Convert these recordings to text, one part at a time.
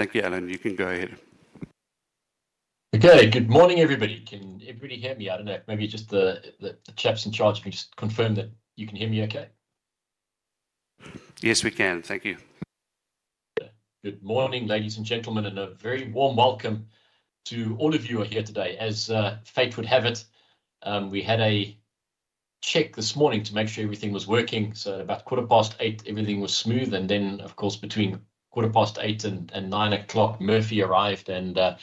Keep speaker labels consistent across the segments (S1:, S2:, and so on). S1: Thank you, Alan. You can go ahead.
S2: Okay. Good morning, everybody. Can everybody hear me? I don't know. Maybe just the chaps in charge, if you can just confirm that you can hear me okay.
S1: Yes, we can. Thank you.
S2: Good morning, ladies and gentlemen, and a very warm welcome to all of you who are here today. As fate would have it, we had a check this morning to make sure everything was working. At about 8:15 A.M., everything was smooth. Of course, between 8:15 A.M. and 9:00 A.M., Murphy arrived, and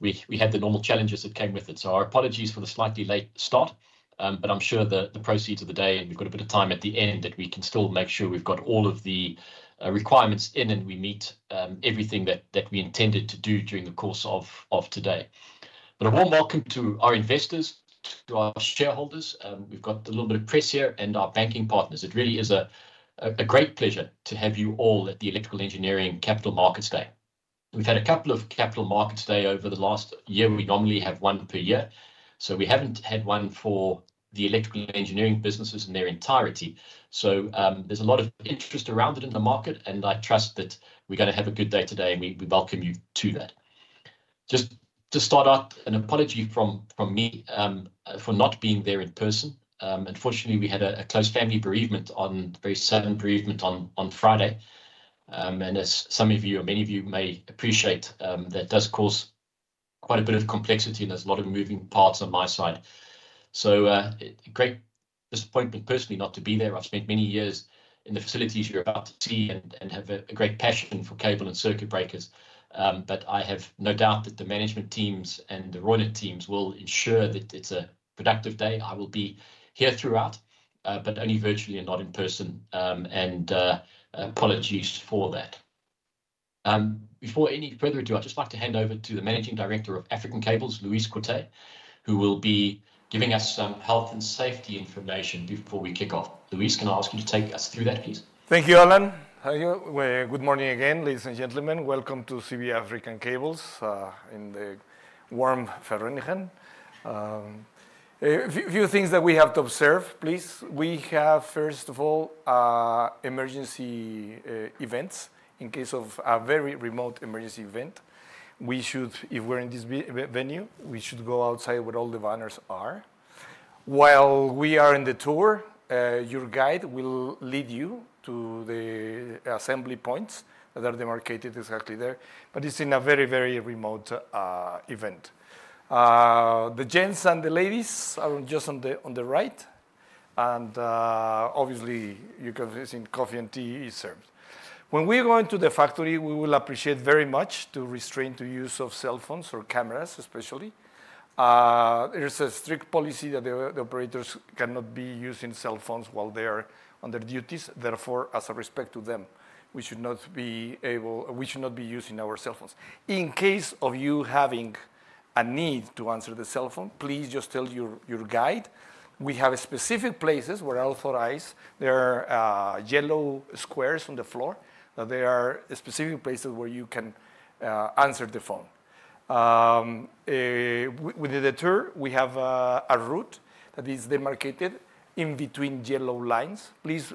S2: we had the normal challenges that came with it. Our apologies for the slightly late start, but I'm sure that the proceeds of the day, and we've got a bit of time at the end, that we can still make sure we've got all of the requirements in and we meet everything that we intended to do during the course of today. A warm welcome to our investors, to our shareholders. We've got a little bit of press here, and our banking partners. It really is a great pleasure to have you all at the Electrical Engineering Capital Markets Day. We've had a couple of Capital Markets Days over the last year. We normally have one per year, so we haven't had one for the electrical engineering businesses in their entirety. There's a lot of interest around it in the market, and I trust that we're going to have a good day today, and we welcome you to that. Just to start out, an apology from me for not being there in person. Unfortunately, we had a close family bereavement, a very sad bereavement on Friday. As some of you, or many of you may appreciate, that does cause quite a bit of complexity, and there's a lot of moving parts on my side. A great disappointment personally not to be there. I've spent many years in the facilities you're about to see and have a great passion for cable and circuit breakers. I have no doubt that the management teams and the royalty teams will ensure that it's a productive day. I will be here throughout, but only virtually and not in person, and apologies for that. Before any further ado, I'd just like to hand over to the Managing Director of African Cables, Luis Corte, who will be giving us some health and safety information before we kick off. Luis, can I ask you to take us through that, please?
S3: Thank you, Alan. Good morning again, ladies and gentlemen. Welcome to CBI African Cables in the warm Fahrenheit. A few things that we have to observe, please. We have, first of all, emergency events. In case of a very remote emergency event, if we're in this venue, we should go outside where all the banners are. While we are in the tour, your guide will lead you to the assembly points that are demarcated exactly there. It's in a very, very remote event. The gents and the ladies are just on the right, and obviously, you can see coffee and tea are served. When we go into the factory, we will appreciate very much if you restrain the use of cell phones or cameras, especially. There's a strict policy that the operators cannot be using cell phones while they are on their duties. Therefore, as a respect to them, we should not be using our cell phones. In case of you having a need to answer the cell phone, please just tell your guide. We have specific places where I authorize. There are yellow squares on the floor that are specific places where you can answer the phone. Within the tour, we have a route that is demarcated in between yellow lines. Please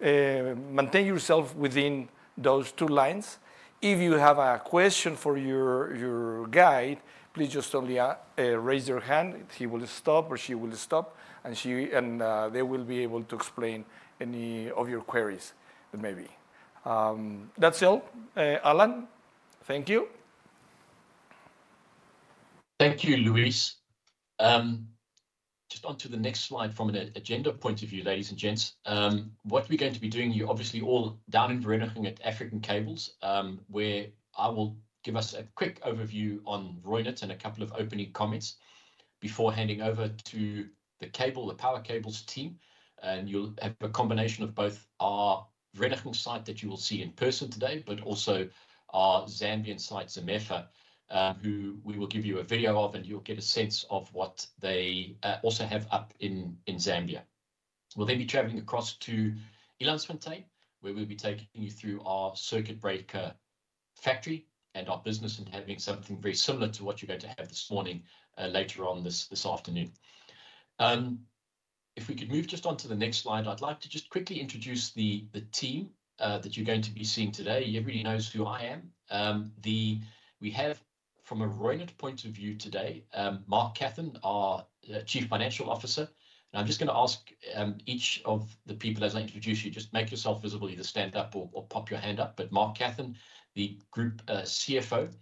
S3: maintain yourself within those two lines. If you have a question for your guide, please just only raise your hand. He will stop, or she will stop, and they will be able to explain any of your queries that may be. That's all, Alan. Thank you.
S2: Thank you, Luis. Just onto the next slide from an agenda point of view, ladies and gents. What we're going to be doing, you're obviously all down in Reunert at African Cables, where I will give us a quick overview on Reunert and a couple of opening comments before handing over to the cable, the power cables team. You'll have a combination of both our Reunert site that you will see in person today, but also our Zambian site, Zamefa, who we will give you a video of, and you'll get a sense of what they also have up in Zambia. We'll then be traveling across to Isando, where we'll be taking you through our circuit breaker factory and our business and having something very similar to what you're going to have this morning, later on this afternoon. If we could move just onto the next slide, I'd like to just quickly introduce the team that you're going to be seeing today. Everybody knows who I am. We have, from a Reunert point of view today, Mark Kathan, our Chief Financial Officer. I'm just going to ask each of the people, as I introduce you, just make yourself visible, either stand up or pop your hand up. Mark Kathan, the Group CFO,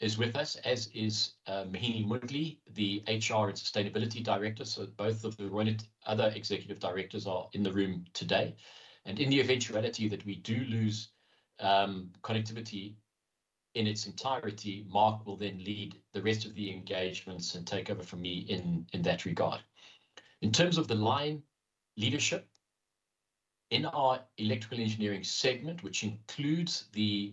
S2: is with us, as is Mohini Moodley, the HR and Sustainability Director. Both of the Reunert other executive directors are in the room today. In the eventuality that we do lose connectivity in its entirety, Mark will then lead the rest of the engagements and take over from me in that regard. In terms of the line leadership in our Electrical Engineering segment, which includes the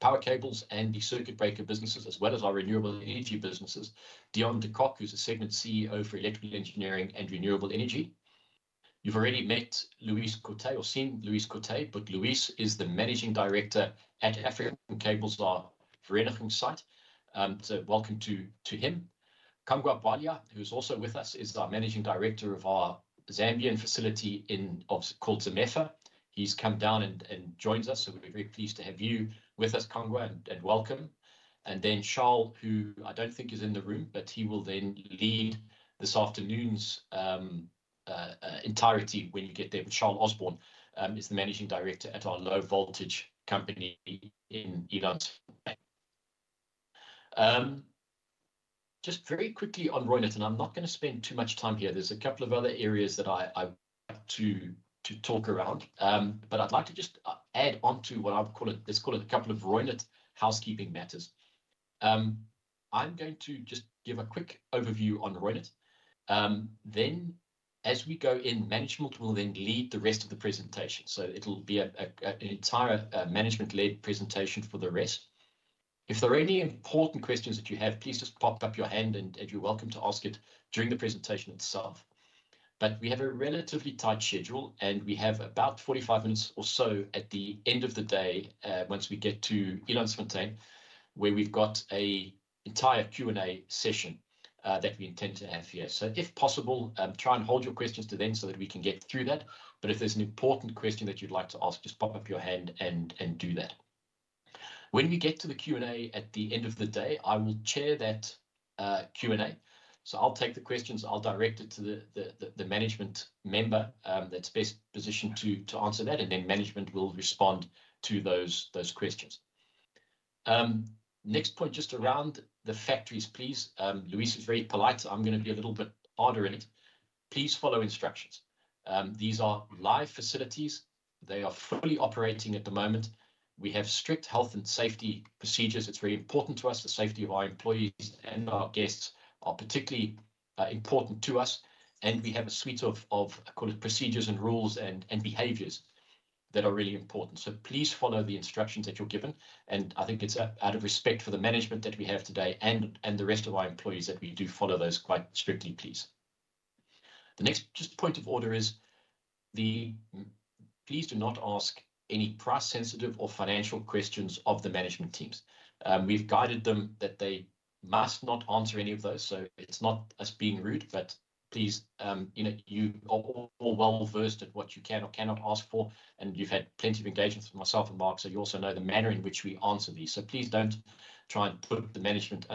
S2: power cables and the circuit breaker businesses, as well as our renewable energy businesses, Deon de Kock, who's a Segment CEO for Electrical Engineering and Renewable Energy. You've already met Luis Corte or seen Luis Corte, but Luis is the Managing Director at African Cables, our Reunert site. Welcome to him. Kangwa Bwalya, who's also with us, is our Managing Director of our Zambian facility called Zamefa. He's come down and joins us. We're very pleased to have you with us, Kangwa, and welcome. Charles, who I don't think is in the room, will then lead this afternoon's entirety when you get there. Charles Osborne is the Managing Director at our low voltage company in Isando. Just very quickly on Reunert, and I'm not going to spend too much time here. There's a couple of other areas that I want to talk around, but I'd like to just add onto what I'll call it, let's call it a couple of Reunert housekeeping matters. I'm going to just give a quick overview on Reunert, then as we go in, Management will then lead the rest of the presentation. It'll be an entire management-led presentation for the rest. If there are any important questions that you have, please just pop up your hand, and you're welcome to ask it during the presentation itself. We have a relatively tight schedule, and we have about 45 minutes or so at the end of the day once we get to Ilanswantee, where we've got an entire Q&A session that we intend to have here. If possible, try and hold your questions to then so that we can get through that. If there's an important question that you'd like to ask, just pop up your hand and do that. When we get to the Q&A at the end of the day, I will chair that Q&A. I'll take the questions, I'll direct it to the management member that's best positioned to answer that, and then management will respond to those questions. Next point, just around the factories, please. Luis is very polite, so I'm going to be a little bit harder in it. Please follow instructions. These are live facilities. They are fully operating at the moment. We have strict health and safety procedures. It's very important to us. The safety of our employees and our guests are particularly important to us. We have a suite of, I call it, procedures and rules and behaviors that are really important. Please follow the instructions that you're given. I think it's out of respect for the management that we have today and the rest of our employees that we do follow those quite strictly, please. The next just point of order is please do not ask any price-sensitive or financial questions of the management teams. We've guided them that they must not answer any of those. It's not us being rude, but please, you know, you are all well-versed at what you can or cannot ask for. You've had plenty of engagements with myself and Mark, so you also know the manner in which we answer these. Please don't try and put the management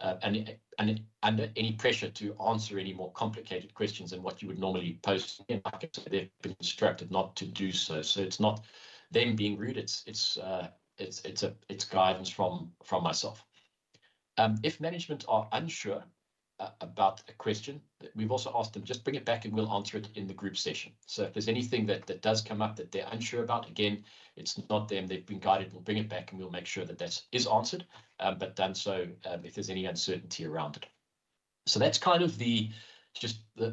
S2: under any pressure to answer any more complicated questions than what you would normally post. Like I said, they've been instructed not to do so. It's not them being rude. It's guidance from myself. If management are unsure about a question, we've also asked them, just bring it back and we'll answer it in the group session. If there's anything that does come up that they're unsure about, again, it's not them. They've been guided. We'll bring it back and we'll make sure that that is answered, but done so if there's any uncertainty around it. That's just a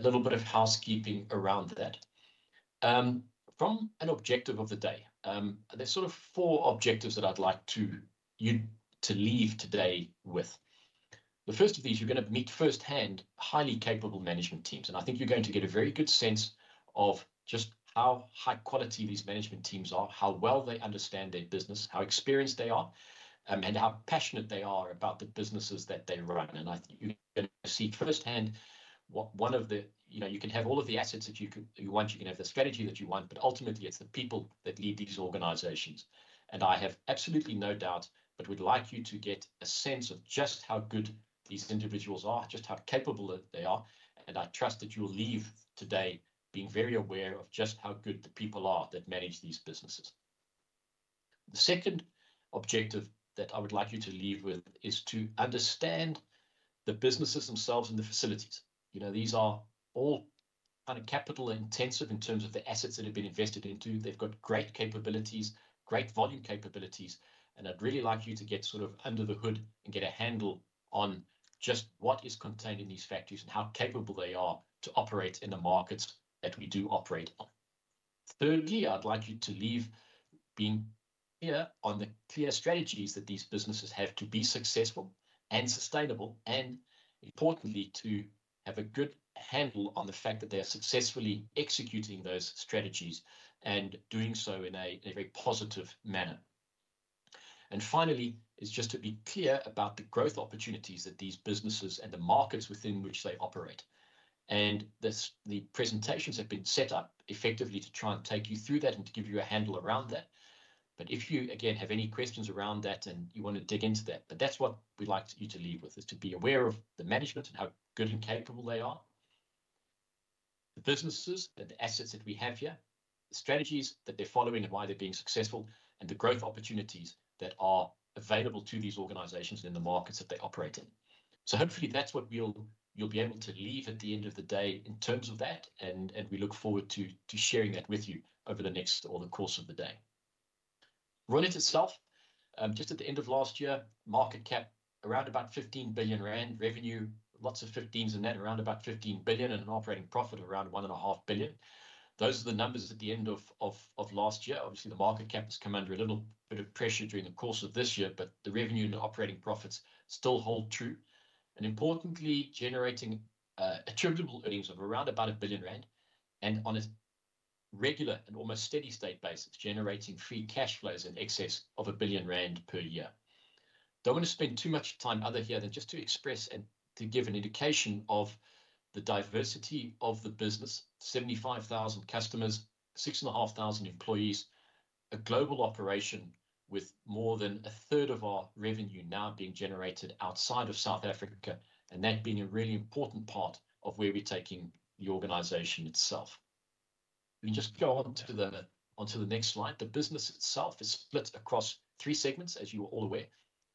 S2: little bit of housekeeping around that. From an objective of the day, there are sort of four objectives that I'd like you to leave today with. The first of these, you're going to meet firsthand highly capable management teams. I think you're going to get a very good sense of just how high quality these management teams are, how well they understand their business, how experienced they are, and how passionate they are about the businesses that they run. I think you're going to see firsthand what one of the, you know, you can have all of the assets that you want, you can have the strategy that you want, but ultimately, it's the people that lead these organizations. I have absolutely no doubt, but would like you to get a sense of just how good these individuals are, just how capable they are. I trust that you'll leave today being very aware of just how good the people are that manage these businesses. The second objective that I would like you to leave with is to understand the businesses themselves and the facilities. These are all kind of capital intensive in terms of the assets that have been invested into. They've got great capabilities, great volume capabilities. I'd really like you to get sort of under the hood and get a handle on just what is contained in these factories and how capable they are to operate in the markets that we do operate on. Thirdly, I'd like you to leave being clear on the clear strategies that these businesses have to be successful and sustainable, and importantly, to have a good handle on the fact that they are successfully executing those strategies and doing so in a very positive manner. Finally, it's just to be clear about the growth opportunities that these businesses and the markets within which they operate. The presentations have been set up effectively to try and take you through that and to give you a handle around that. If you have any questions around that and you want to dig into that, that's what we'd like you to leave with, to be aware of the management and how good and capable they are, the businesses and the assets that we have here, the strategies that they're following and why they're being successful, and the growth opportunities that are available to these organizations and in the markets that they operate in. Hopefully, that's what you'll be able to leave at the end of the day in terms of that. We look forward to sharing that with you over the course of the day. Reunert itself, just at the end of last year, market cap around 15 billion rand, revenue, lots of 15s in that, around 15 billion, and an operating profit of around 1.5 billion. Those are the numbers at the end of last year. Obviously, the market cap has come under a little bit of pressure during the course of this year, but the revenue and operating profits still hold true. Importantly, generating attributable earnings of around R1 billion and on a regular and almost steady state basis, generating free cash flows in excess of 1 billion rand per year. I don't want to spend too much time here other than just to express and to give an indication of the diversity of the business: 75,000 customers, 6,500 employees, a global operation with more than a third of our revenue now being generated outside of South Africa, and that being a really important part of where we're taking the organization itself. You can just go on to the next slide. The business itself is split across three segments, as you are all aware.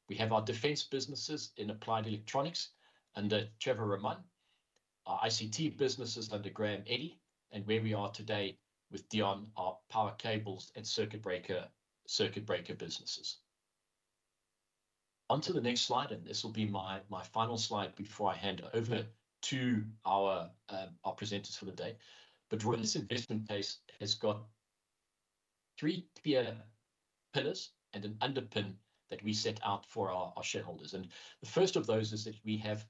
S2: We have our defense businesses in applied electronics under Trevor Raman, our ICT businesses under Graeme Eddey, and where we are today with Deon, our power cables and circuit breaker businesses. Onto the next slide, and this will be my final slide before I hand over to our presenters for the day. Reunert's investment case has got three clear pillars and an underpin that we set out for our shareholders. The first of those is that we have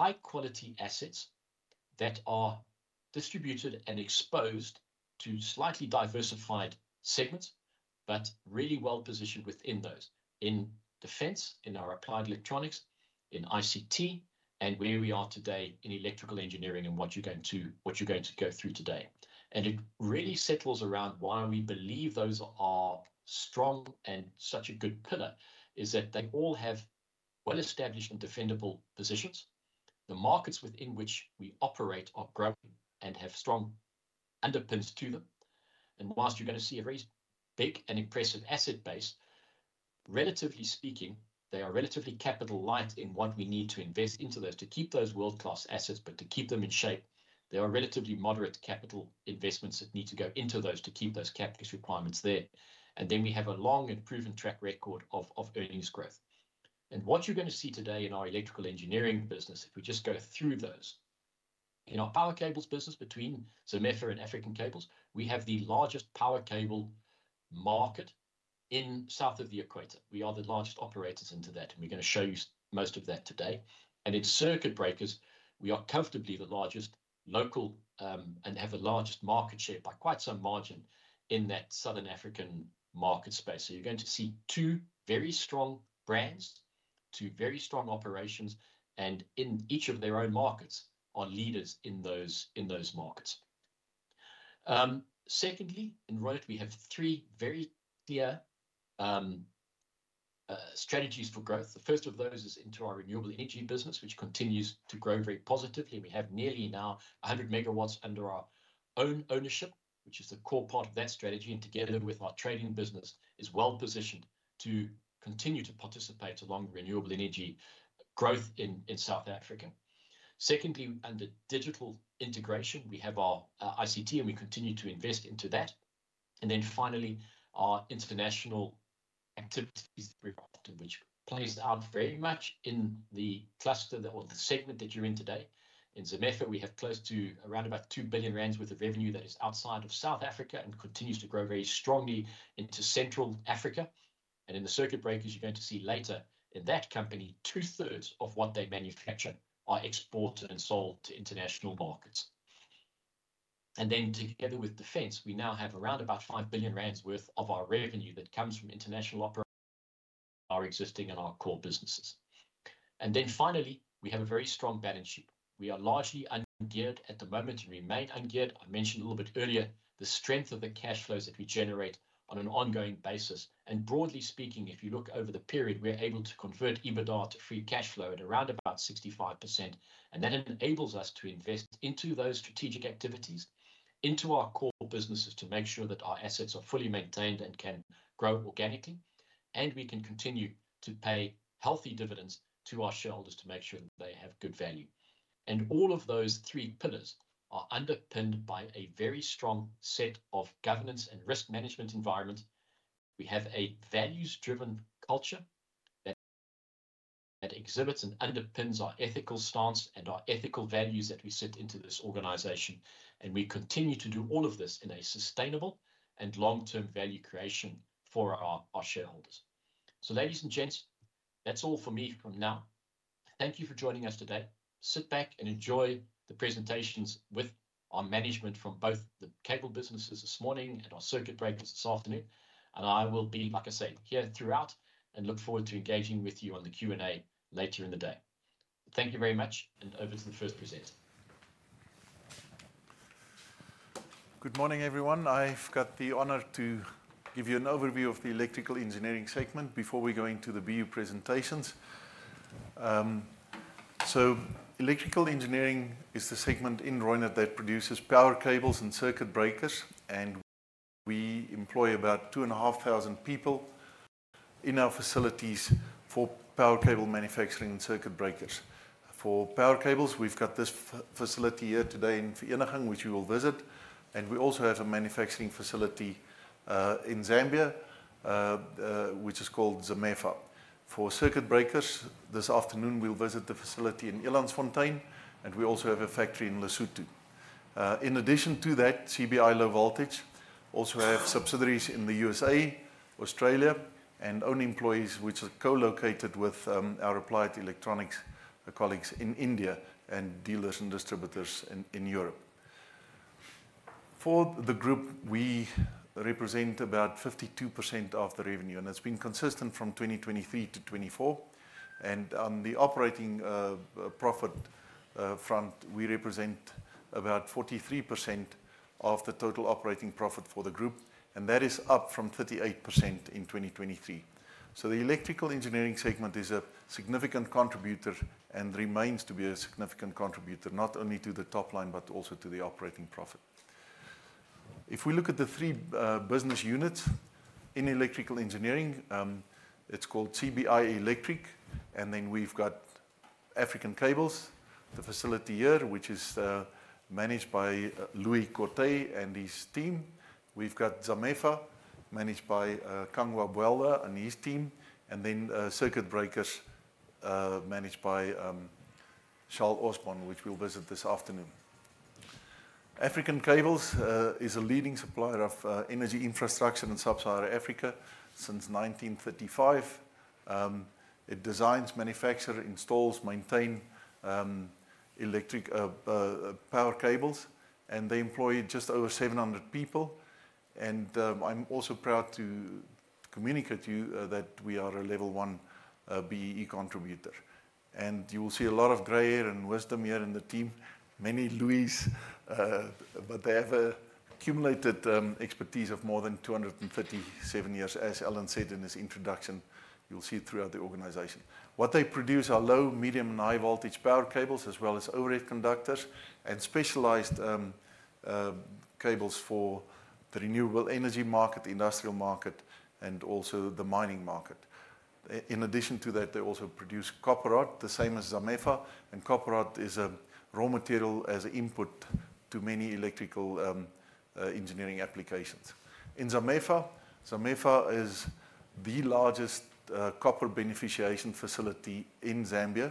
S2: high-quality assets that are distributed and exposed to slightly diversified segments, but really well positioned within those, in defense, in our applied electronics, in ICT, and where we are today in electrical engineering and what you're going to go through today. It really settles around why we believe those are strong and such a good pillar, is that they all have well-established and defendable positions. The markets within which we operate are growing and have strong underpins to them. Whilst you're going to see a very big and impressive asset base, relatively speaking, they are relatively capital light in what we need to invest into those to keep those world-class assets, but to keep them in shape. There are relatively moderate capital investments that need to go into those to keep those capital requirements there. We have a long and proven track record of earnings growth. What you're going to see today in our electrical engineering business, if we just go through those, in our power cables business between Zamefa and African Cables, we have the largest power cable market in south of the equator. We are the largest operators into that, and we're going to show you most of that today. In circuit breakers, we are comfortably the largest local and have the largest market share by quite some margin in that Southern African market space. You're going to see two very strong brands, two very strong operations, and in each of their own markets are leaders in those markets. In Reunert, we have three very clear strategies for growth. The first of those is into our renewable energy business, which continues to grow very positively. We have nearly now 100 MW under our own ownership, which is the core part of that strategy, and together with our trading business is well positioned to continue to participate along renewable energy growth in South Africa. Under digital integration, we have our ICT, and we continue to invest into that. Finally, our international activities that we've often which plays out very much in the cluster or the segment that you're in today. In Zamefa, we have close to around about 2 billion rand worth of revenue that is outside of South Africa and continues to grow very strongly into Central Africa. In the circuit breakers, you're going to see later in that company, two-thirds of what they manufacture are exported and sold to international markets. Together with defense, we now have around about 5 billion rand worth of our revenue that comes from international operations, our existing and our core businesses. We have a very strong balance sheet. We are largely ungeared at the moment and remain ungeared. I mentioned a little bit earlier the strength of the cash flows that we generate on an ongoing basis. Broadly speaking, if you look over the period, we're able to convert EBITDA to free cash flow at around about 65%. That enables us to invest into those strategic activities, into our core businesses to make sure that our assets are fully maintained and can grow organically. We can continue to pay healthy dividends to our shareholders to make sure that they have good value. All of those three pillars are underpinned by a very strong set of governance and risk management environments. We have a values-driven culture that exhibits and underpins our ethical stance and our ethical values that we sit into this organization. We continue to do all of this in a sustainable and long-term value creation for our shareholders. Ladies and gents, that's all for me from now. Thank you for joining us today. Sit back and enjoy the presentations with our management from both the cable businesses this morning and our circuit breakers this afternoon. I will be, like I say, here throughout and look forward to engaging with you on the Q&A later in the day. Thank you very much, and over to the first presenter.
S1: Good morning, everyone. I've got the honor to give you an overview of the electrical engineering segment before we go into the BU presentations. Electrical engineering is the segment in Reunert that produces power cables and circuit breakers. We employ about 2,500 people in our facilities for power cable manufacturing and circuit breakers. For power cables, we've got this facility here today in Vereeniging, which we will visit. We also have a manufacturing facility in Zambia, which is called Zamefa. For circuit breakers, this afternoon, we'll visit the facility in Isando, and we also have a factory in Lesotho. In addition to that, CBI Low Voltage also has subsidiaries in the USA, Australia, and own employees which are co-located with our applied electronics colleagues in India and dealers and distributors in Europe. For the group, we represent about 52% of the revenue, and it's been consistent from 2023 to 2024. On the operating profit front, we represent about 43% of the total operating profit for the group, and that is up from 38% in 2023. The electrical engineering segment is a significant contributor and remains to be a significant contributor, not only to the top line, but also to the operating profit. If we look at the three business units in electrical engineering, it's called CBI Electric, and then we've got African Cables, the facility here, which is managed by Luis Corte and his team. We've got Zamefa, managed by Kangwa Bwalya and his team, and then circuit breakers managed by Charles Osborne, which we'll visit this afternoon. African Cables is a leading supplier of energy infrastructure in Sub-Saharan Africa since 1935. It designs, manufactures, installs, and maintains electric power cables, and they employ just over 700 people. I'm also proud to communicate to you that we are a level one BBBE contributor. You will see a lot of grey hair and wisdom here in the team, many Luis, but they have accumulated expertise of more than 237 years, as Alan said in his introduction. You'll see it throughout the organization. What they produce are low, medium, and high voltage power cables, as well as overhead conductors and specialized cables for the renewable energy market, the industrial market, and also the mining market. In addition to that, they also produce copper rod, the same as Zamefa, and copper rod is a raw material as an input to many electrical engineering applications. In Zamefa, Zamefa is the largest copper beneficiation facility in Zambia,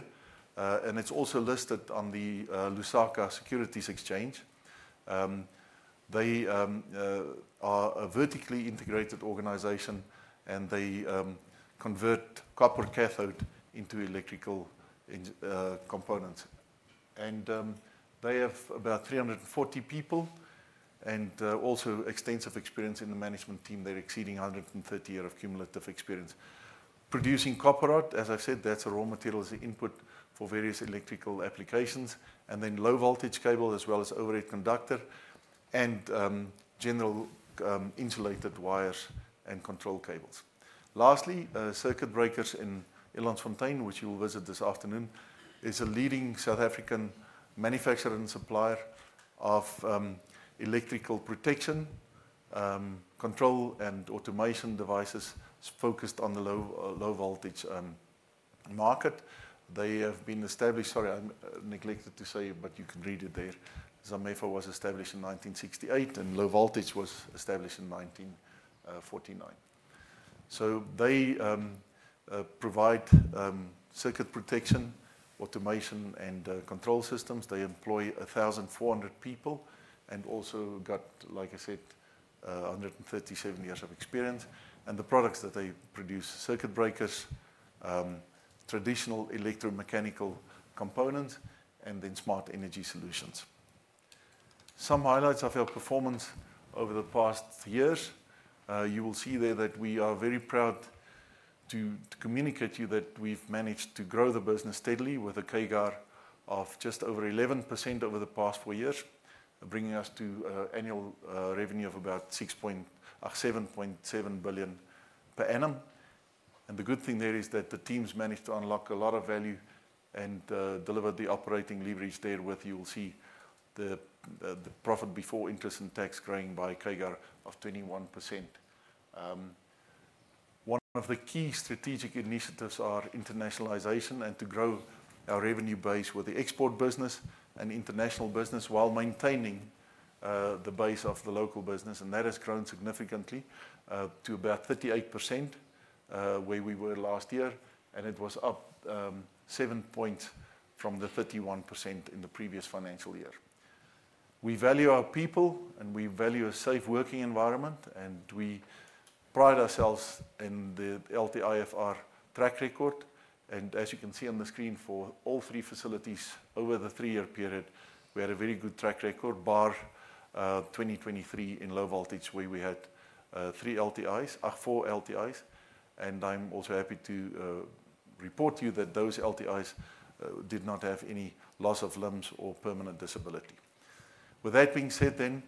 S1: and it's also listed on the Lusaka Securities Exchange. They are a vertically integrated organization, and they convert copper cathode into electrical components. They have about 340 people and also extensive experience in the management team. They're exceeding 130 years of cumulative experience. Producing copper rod, as I said, that's a raw material as an input for various electrical applications, and then low voltage cable, as well as overhead conductor and general insulated wires and control cables. Lastly, circuit breakers in Isando, which you will visit this afternoon, is a leading South African manufacturer and supplier of electrical protection, control, and automation devices focused on the low voltage market. I neglected to say, but you can read it there. Zamefa was established in 1968, and CBI Low Voltage was established in 1949. They provide circuit protection, automation, and control systems. They employ 1,400 people and also got, like I said, 137 years of experience. The products that they produce: circuit breakers, traditional electromechanical components, and then smart energy solutions. Some highlights of our performance over the past years, you will see there that we are very proud to communicate to you that we've managed to grow the business steadily with a CAGR of just over 11% over the past four years, bringing us to an annual revenue of about 7.7 billion per annum. The good thing there is that the teams managed to unlock a lot of value and deliver the operating leverage there with, you will see, the profit before interest and tax growing by a CAGR of 21%. One of the key strategic initiatives is internationalization and to grow our revenue base with the export business and international business while maintaining the base of the local business. That has grown significantly to about 38% where we were last year, and it was up 7 points from the 31% in the previous financial year. We value our people, and we value a safe working environment, and we pride ourselves in the LTIFR track record. As you can see on the screen, for all three facilities over the three-year period, we had a very good track record, bar 2023 in low voltage, where we had three LTIs, four LTIs. I'm also happy to report to you that those LTIs did not have any loss of limbs or permanent disability. With that being said, a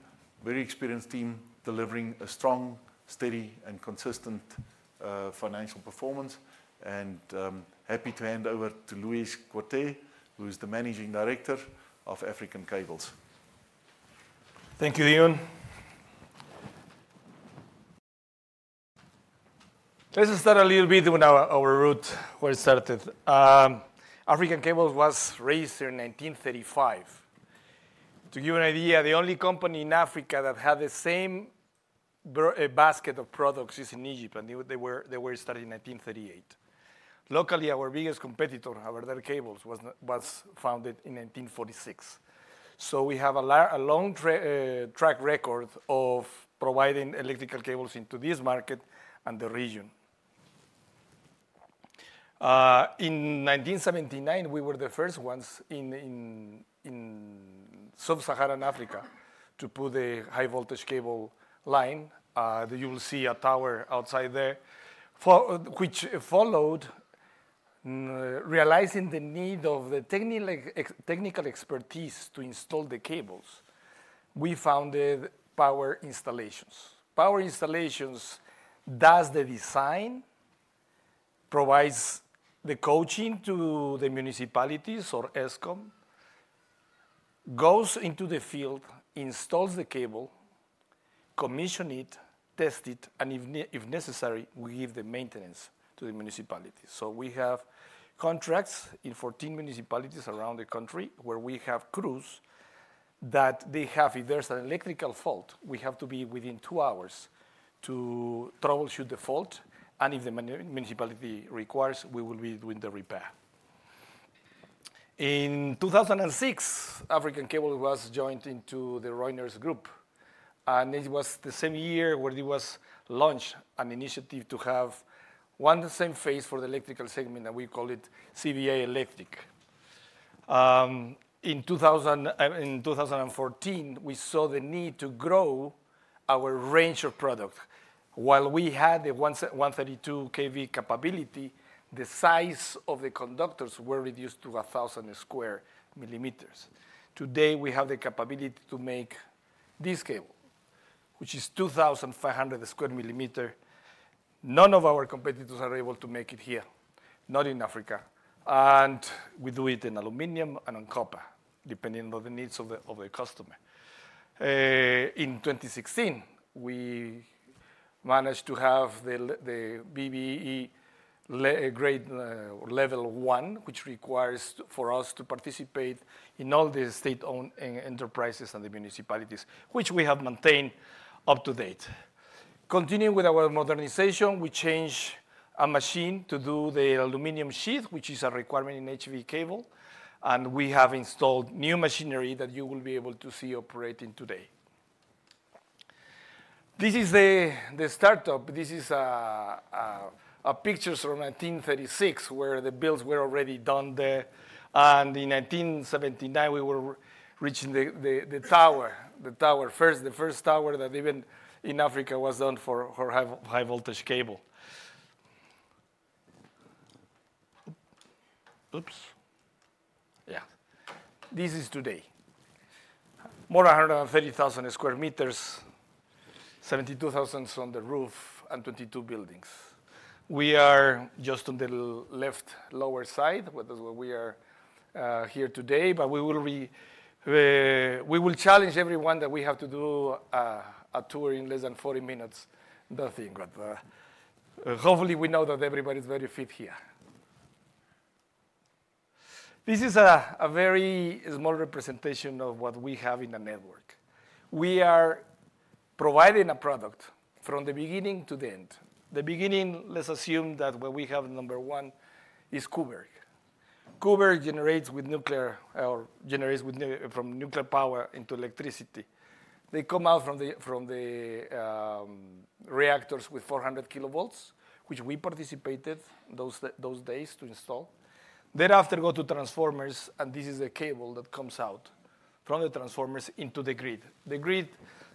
S1: very experienced team delivering a strong, steady, and consistent financial performance. Happy to hand over to Luis Corte, who is the Managing Director of African Cables.
S3: Thank you, Deon. Let's start a little bit with our root, where it started. African Cables was raised here in 1935. To give you an idea, the only company in Africa that had the same basket of products is in Egypt, and they were started in 1938. Locally, our biggest competitor, Aberdare Cables, was founded in 1946. We have a long track record of providing electrical cables into this market and the region. In 1979, we were the first ones in Sub-Saharan Africa to put the high voltage cable line. You will see a tower outside there, which followed realizing the need of the technical expertise to install the cables. We founded Power Installations. Power Installations does the design, provides the coaching to the municipalities, or Eskom, goes into the field, installs the cable, commissions it, tests it, and if necessary, we give the maintenance to the municipalities. We have contracts in 14 municipalities around the country where we have crews that they have, if there's an electrical fault, we have to be within two hours to troubleshoot the fault. If the municipality requires, we will be doing the repair. In 2006, African Cables was joined into the Reunert Group, and it was the same year where it was launched an initiative to have one same phase for the electrical segment, and we call it CBI Electric. In 2014, we saw the need to grow our range of products. While we had the 132 kV capability, the size of the conductors were reduced to 1,000 square millimeters. Today, we have the capability to make this cable, which is 2,500 square millimeters. None of our competitors are able to make it here, not in Africa. We do it in aluminum and in copper, depending on the needs of the customer. In 2016, we managed to have the BBBE grade level one, which requires for us to participate in all the state-owned enterprises and the municipalities, which we have maintained up to date. Continuing with our modernization, we changed our machine to do the aluminum sheath, which is a requirement in HV cable. We have installed new machinery that you will be able to see operating today. This is the startup. This is a picture from 1936, where the builds were already done there. In 1979, we were reaching the tower. The tower, first, the first tower that even in Africa was done for high voltage cable. This is today. More than 130,000 square meters, 72,000 on the roof, and 22 buildings. We are just on the left lower side, where we are here today. We will challenge everyone that we have to do a tour in less than 40 minutes. Hopefully, we know that everybody is very fit here. This is a very small representation of what we have in the network. We are providing a product from the beginning to the end. The beginning, let's assume that where we have number one is Koeberg. Koeberg generates from nuclear power into electricity. They come out from the reactors with 400 kV, which we participated those days to install. Thereafter, go to transformers, and this is the cable that comes out from the transformers into the grid. The grid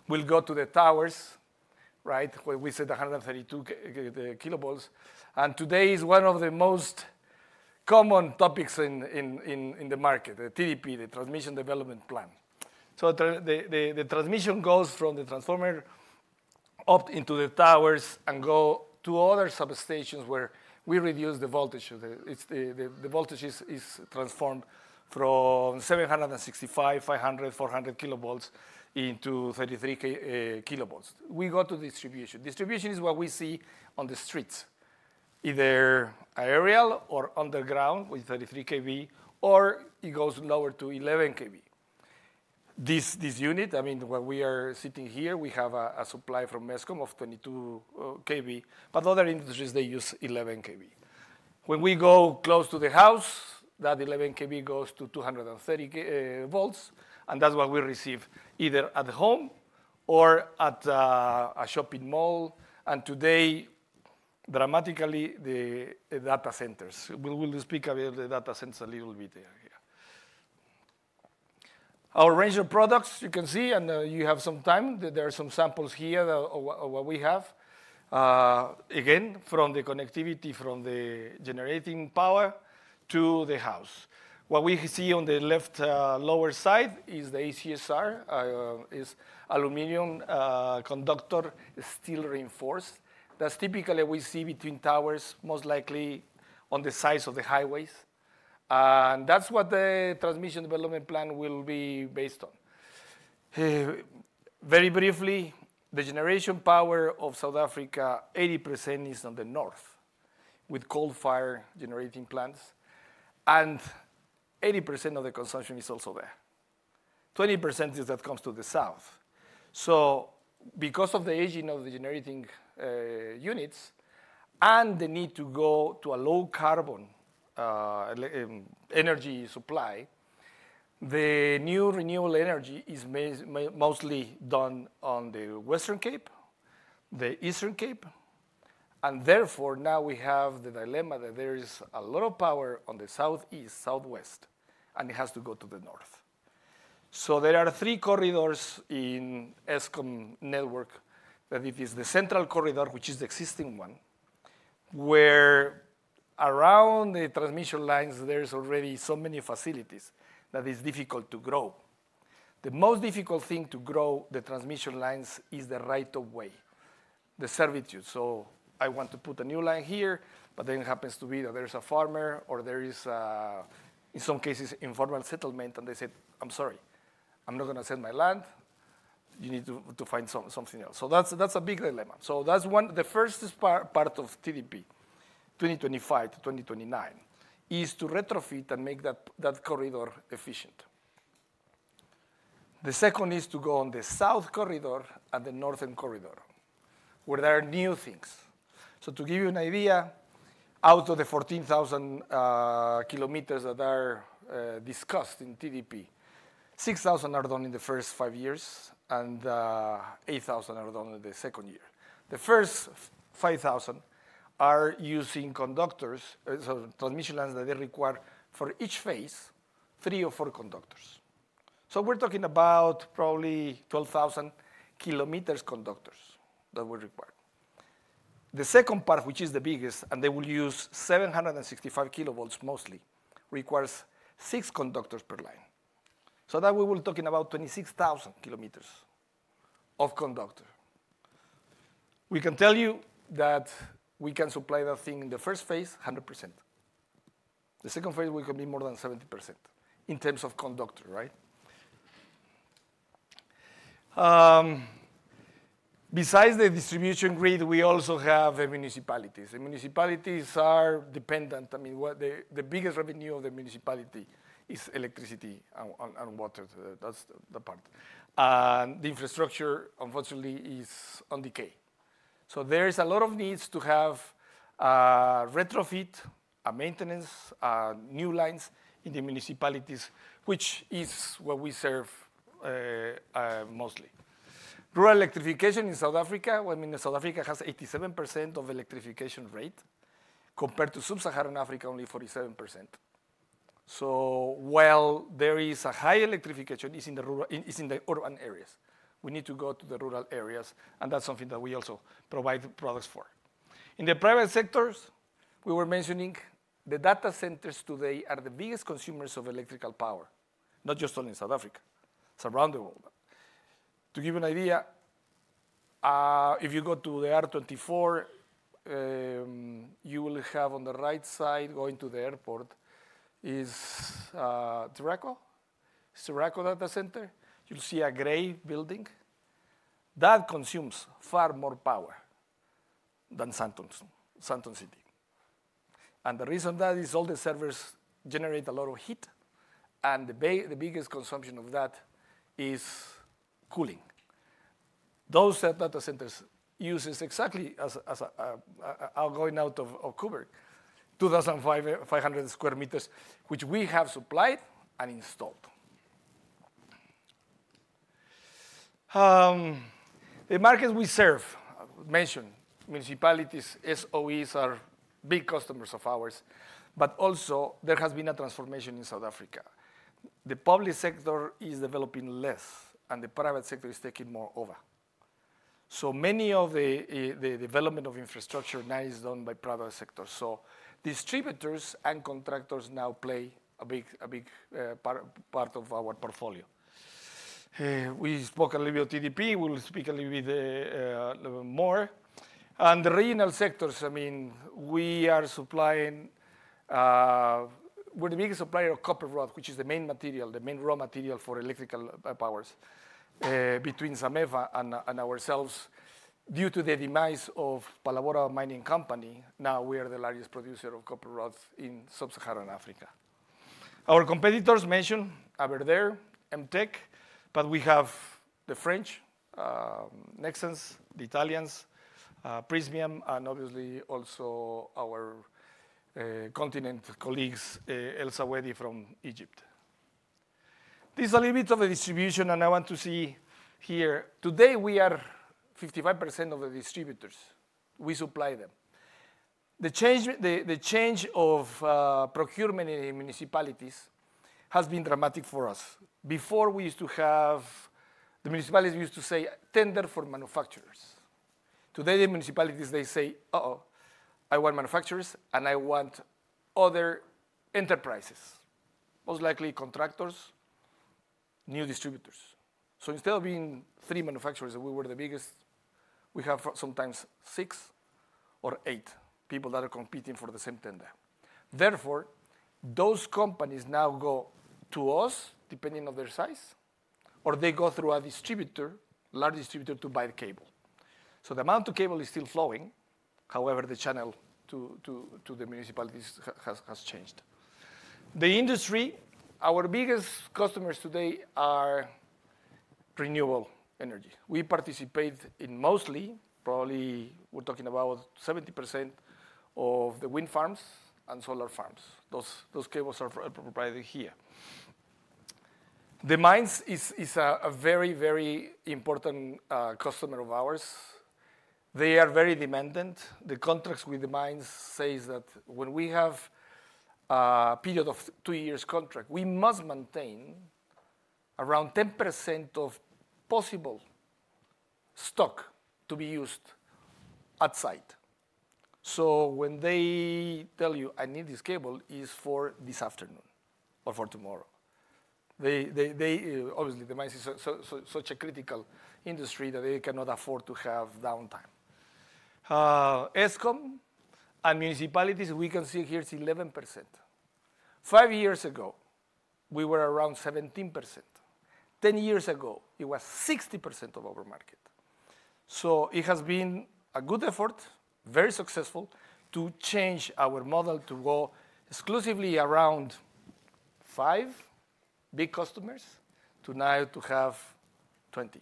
S3: will go to the towers, right? We said 132 kV. Today, one of the most common topics in the market is the TDP, the Transmission Development Plan. The transmission goes from the transformer up into the towers and goes to other substations where we reduce the voltage. The voltage is transformed from 765, 500, 400 kV into 33 kV. We go to distribution. Distribution is what we see on the streets, either aerial or underground with 33 kV, or it goes lower to 11 kV. This unit, where we are sitting here, we have a supply from Eskom of 22 kV, but other industries use 11 kV. When we go close to the house, that 11 kV goes to 230 volts, and that's what we receive either at home or at a shopping mall. Today, dramatically, the data centers. We will speak about the data centers a little bit here. Our range of products, you can see, and you have some time. There are some samples here of what we have. Again, from the connectivity, from the generating power to the house. What we see on the left lower side is the ACSR. It's aluminum conductor, steel reinforced. That's typically what we see between towers, most likely on the sides of the highways. That's what the Transmission Development Plan will be based on. Very briefly, the generation power of South Africa, 80% is on the north with coal fire generating plants, and 80% of the consumption is also there. 20% is that comes to the south. Because of the aging of the generating units and the need to go to a low carbon energy supply, the new renewable energy is mostly done on the Western Cape, the Eastern Cape. Therefore, now we have the dilemma that there is a lot of power on the southeast, southwest, and it has to go to the north. There are three corridors in the Eskom network. It is the central corridor, which is the existing one, where around the transmission lines, there are already so many facilities that it's difficult to grow. The most difficult thing to grow the transmission lines is the right of way, the servitude. I want to put a new line here, but then it happens to be that there's a farmer or there is, in some cases, informal settlement, and they say, "I'm sorry, I'm not going to sell my land. You need to find something else." That's a big dilemma. That's one. The first part of the Transmission Development Plan, 2025 to 2029, is to retrofit and make that corridor efficient. The second is to go on the south corridor and the northern corridor, where there are new things. To give you an idea, out of the 14,000 km that are discussed in the Transmission Development Plan, 6,000 are done in the first five years, and 8,000 are done in the second year. The first 5,000 are using conductors, so transmission lines that they require for each phase, three or four conductors. We're talking about probably 12,000 km conductors that we require. The second part, which is the biggest, and they will use 765 kV mostly, requires six conductors per line. That way, we're talking about 26,000 km of conductor. We can tell you that we can supply that thing in the first phase, 100%. The second phase, we can be more than 70% in terms of conductor, right? Besides the distribution grid, we also have municipalities. The municipalities are dependent. I mean, the biggest revenue of the municipality is electricity and water. That's the part. The infrastructure, unfortunately, is on decay. There is a lot of needs to have a retrofit, a maintenance, new lines in the municipalities, which is what we serve mostly. Rural electrification in South Africa, I mean, South Africa has 87% electrification rate compared to Sub-Saharan Africa, only 47%. While there is a high electrification, it's in the urban areas. We need to go to the rural areas, and that's something that we also provide products for. In the private sectors, we were mentioning the data centers today are the biggest consumers of electrical power, not just only in South Africa, it's around the world. To give you an idea, if you go to the R24, you will have on the right side, going to the airport, is Tobacco, Tobacco Data Center. You'll see a gray building that consumes far more power than Sandton City. The reason that is all the servers generate a lot of heat, and the biggest consumption of that is cooling. Those data centers use exactly as I'm going out of Koeberg, 2,500 square meters, which we have supplied and installed. The markets we serve, I mentioned municipalities, SOEs are big customers of ours, but also there has been a transformation in South Africa. The public sector is developing less, and the private sector is taking more over. Many of the development of infrastructure now is done by the private sector. Distributors and contractors now play a big part of our portfolio. We spoke a little bit of TDP. We'll speak a little bit more. The regional sectors, I mean, we are supplying, we're the biggest supplier of copper rod, which is the main material, the main raw material for electrical powers. Between Zamefa and ourselves, due to the demise of Palabora Mining Company, now we are the largest producer of copper rods in Sub-Saharan Africa. Our competitors mentioned Aberdare, Mtech, but we have the French, Nexans, the Italians, Prysmian, and obviously also our continent colleagues, Elsewedy from Egypt. This is a little bit of a distribution, and I want to see here. Today, we are 55% of the distributors. We supply them. The change of procurement in municipalities has been dramatic for us. Before, we used to have, the municipalities used to say tender for manufacturers. Today, the municipalities, they say, "Uh-oh, I want manufacturers, and I want other enterprises, most likely contractors, new distributors." Instead of being three manufacturers, we were the biggest, we have sometimes six or eight people that are competing for the same tender. Therefore, those companies now go to us, depending on their size, or they go through a distributor, a large distributor, to buy the cable. The amount of cable is still flowing, however, the channel to the municipalities has changed. The industry, our biggest customers today are renewable energy. We participate in mostly, probably we're talking about 70% of the wind farms and solar farms. Those cables are provided here. The mines are a very, very important customer of ours. They are very demanding. The contracts with the mines say that when we have a period of two years' contract, we must maintain around 10% of possible stock to be used at site. When they tell you, "I need this cable," it's for this afternoon or for tomorrow. Obviously, the mines are such a critical industry that they cannot afford to have downtime. Eskom and municipalities, we can see here it's 11%. Five years ago, we were around 17%. Ten years ago, it was 60% of our market. It has been a good effort, very successful, to change our model to go exclusively around five big customers to now have 20.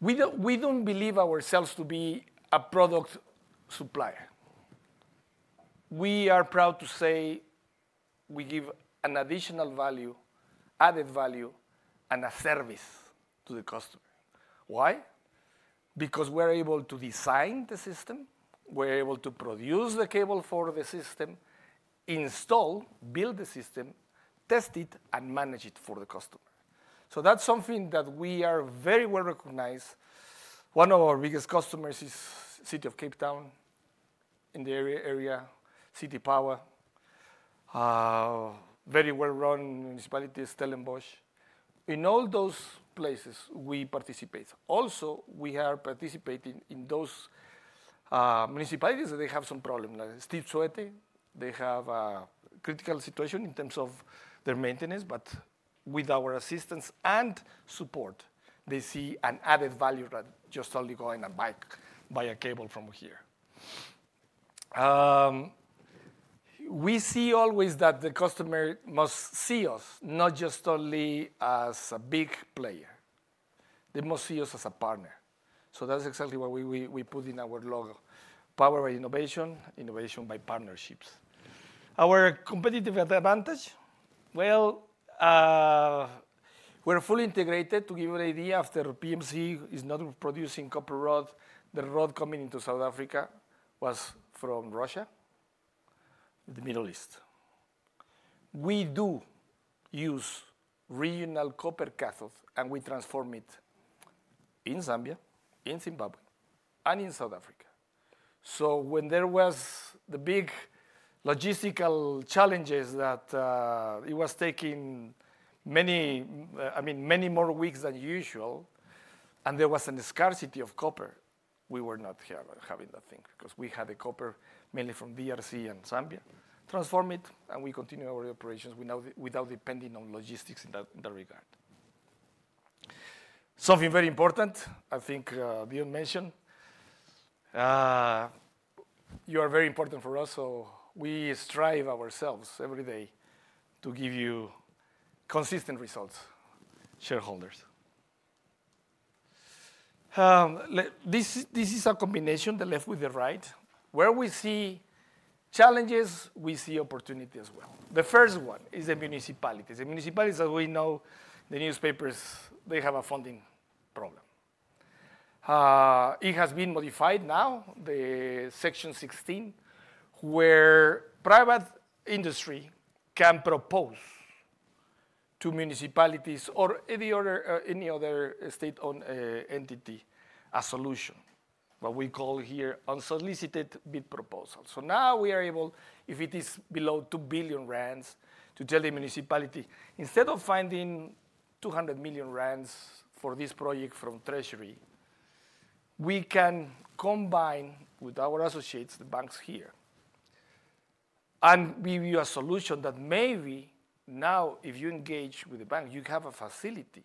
S3: We don't believe ourselves to be a product supplier. We are proud to say we give an additional value, added value, and a service to the customer. Why? Because we're able to design the system, we're able to produce the cable for the system, install, build the system, test it, and manage it for the customer. That's something that we are very well recognized. One of our biggest customers is the City of Cape Town in the area, City Power. Very well-run municipalities, Stellenbosch. In all those places, we participate. Also, we are participating in those municipalities that have some problems. Like Steve Tshwete, they have a critical situation in terms of their maintenance, but with our assistance and support, they see an added value rather than just only going and buying a cable from here. We see always that the customer must see us not just only as a big player. They must see us as a partner. That's exactly what we put in our logo, Power by Innovation, Innovation by Partnerships. Our competitive advantage, we're fully integrated. To give you an idea, after PMC is not producing copper rod, the rod coming into South Africa was from Russia, the Middle East. We do use regional copper cathodes, and we transform it in Zambia, in Zimbabwe, and in South Africa. When there were the big logistical challenges that it was taking many, I mean, many more weeks than usual, and there was a scarcity of copper, we were not having that thing because we had the copper mainly from DRC and Zambia, transformed it, and we continued our operations without depending on logistics in that regard. Something very important, I think Deon mentioned, you are very important for us, so we strive ourselves every day to give you consistent results, shareholders. This is a combination, the left with the right. Where we see challenges, we see opportunity as well. The first one is the municipalities. The municipalities that we know, the newspapers, they have a funding problem. It has been modified now, the Section 16, where private industry can propose to municipalities or any other state-owned entity a solution, what we call here unsolicited bid proposals. Now we are able, if it is below R2 billion, to tell the municipality, instead of finding R200 million for this project from Treasury, we can combine with our associates, the banks here, and give you a solution that maybe now, if you engage with the bank, you have a facility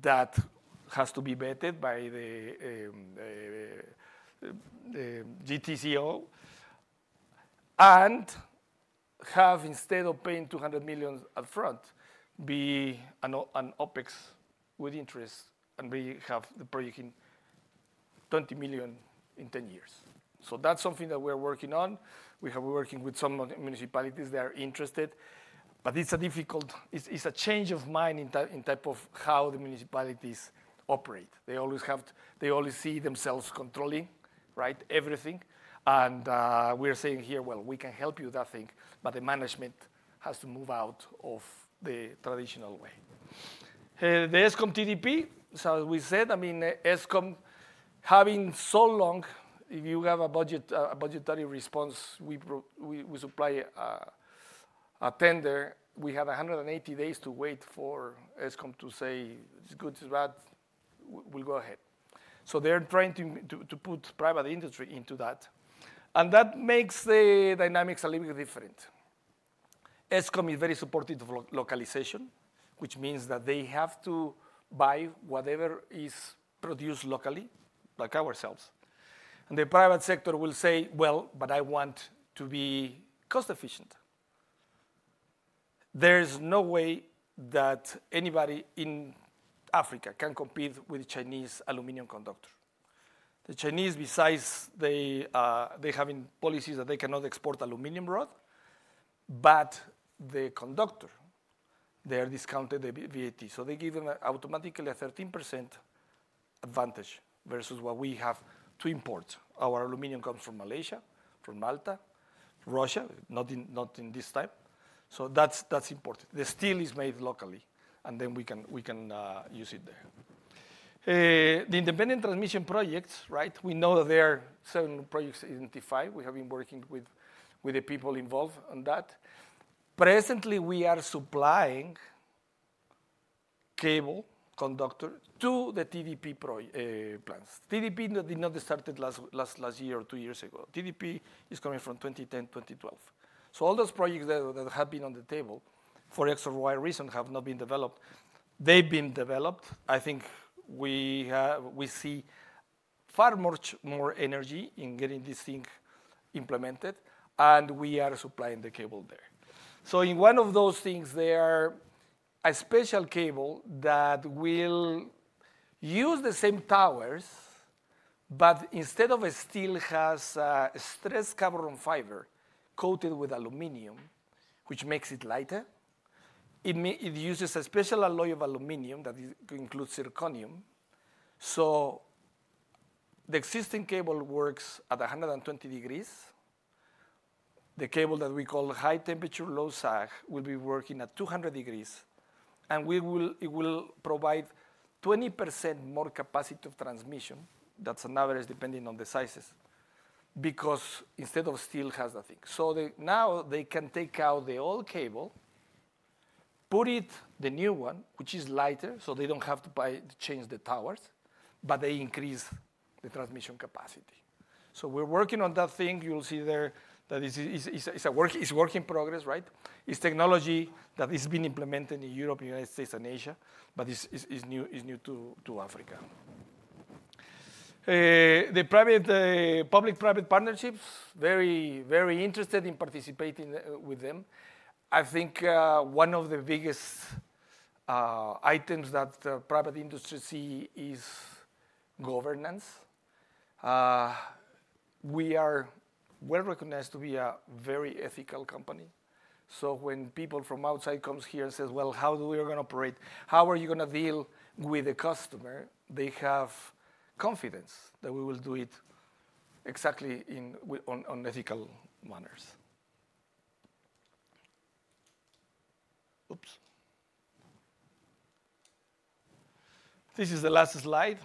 S3: that has to be vetted by the GTCO and have, instead of paying R200 million upfront, be an OpEx with interest and really have the project in R20 million in 10 years. That's something that we're working on. We have been working with some municipalities that are interested, but it's a difficult, it's a change of mind in type of how the municipalities operate. They always have, they always see themselves controlling, right, everything. We're saying here, we can help you with that thing, but the management has to move out of the traditional way. The Eskom Transmission Development Plan (TDP), as we said, I mean, Eskom, having so long, if you have a budgetary response, we supply a tender, we have 180 days to wait for Eskom to say it's good, it's bad, we'll go ahead. They're trying to put private industry into that. That makes the dynamics a little bit different. Eskom is very supportive of localization, which means that they have to buy whatever is produced locally, like ourselves. The private sector will say, I want to be cost-efficient. There's no way that anybody in Africa can compete with the Chinese aluminum conductors. The Chinese, besides having policies that they cannot export aluminum rod, but the conductor, they are discounted the VAT. They give them automatically a 13% advantage versus what we have to import. Our aluminum comes from Malaysia, from Malta, Russia, not in this time. That's important. The steel is made locally, and then we can use it there. The independent transmission projects, right, we know that there are seven projects identified. We have been working with the people involved in that. Presently, we are supplying cable conductors to the TDP plants. TDP did not start last year or two years ago. TDP is coming from 2010-2012. All those projects that have been on the table for X or Y reason have not been developed. They've been developed. I think we see far more energy in getting this thing implemented, and we are supplying the cable there. In one of those things, there is a special cable that will use the same towers, but instead of steel, has a stressed carbon fiber coated with aluminum, which makes it lighter. It uses a special alloy of aluminum that includes zirconium. The existing cable works at 120 degrees. The cable that we call high-temperature, low-sag, will be working at 200 degrees, and it will provide 20% more capacity of transmission. That's an average depending on the sizes, because instead of steel, it has that thing. Now they can take out the old cable, put in the new one, which is lighter, so they don't have to change the towers, but they increase the transmission capacity. We're working on that thing. You'll see there that it's a work in progress, right? It's technology that has been implemented in Europe, the United States, and Asia, but it's new to Africa. The public-private partnerships are very, very interested in participating with them. I think one of the biggest items that the private industry sees is governance. We are well recognized to be a very ethical company. When people from outside come here and say, how are we going to operate? How are you going to deal with the customer? They have confidence that we will do it exactly in ethical manners. This is the last slide.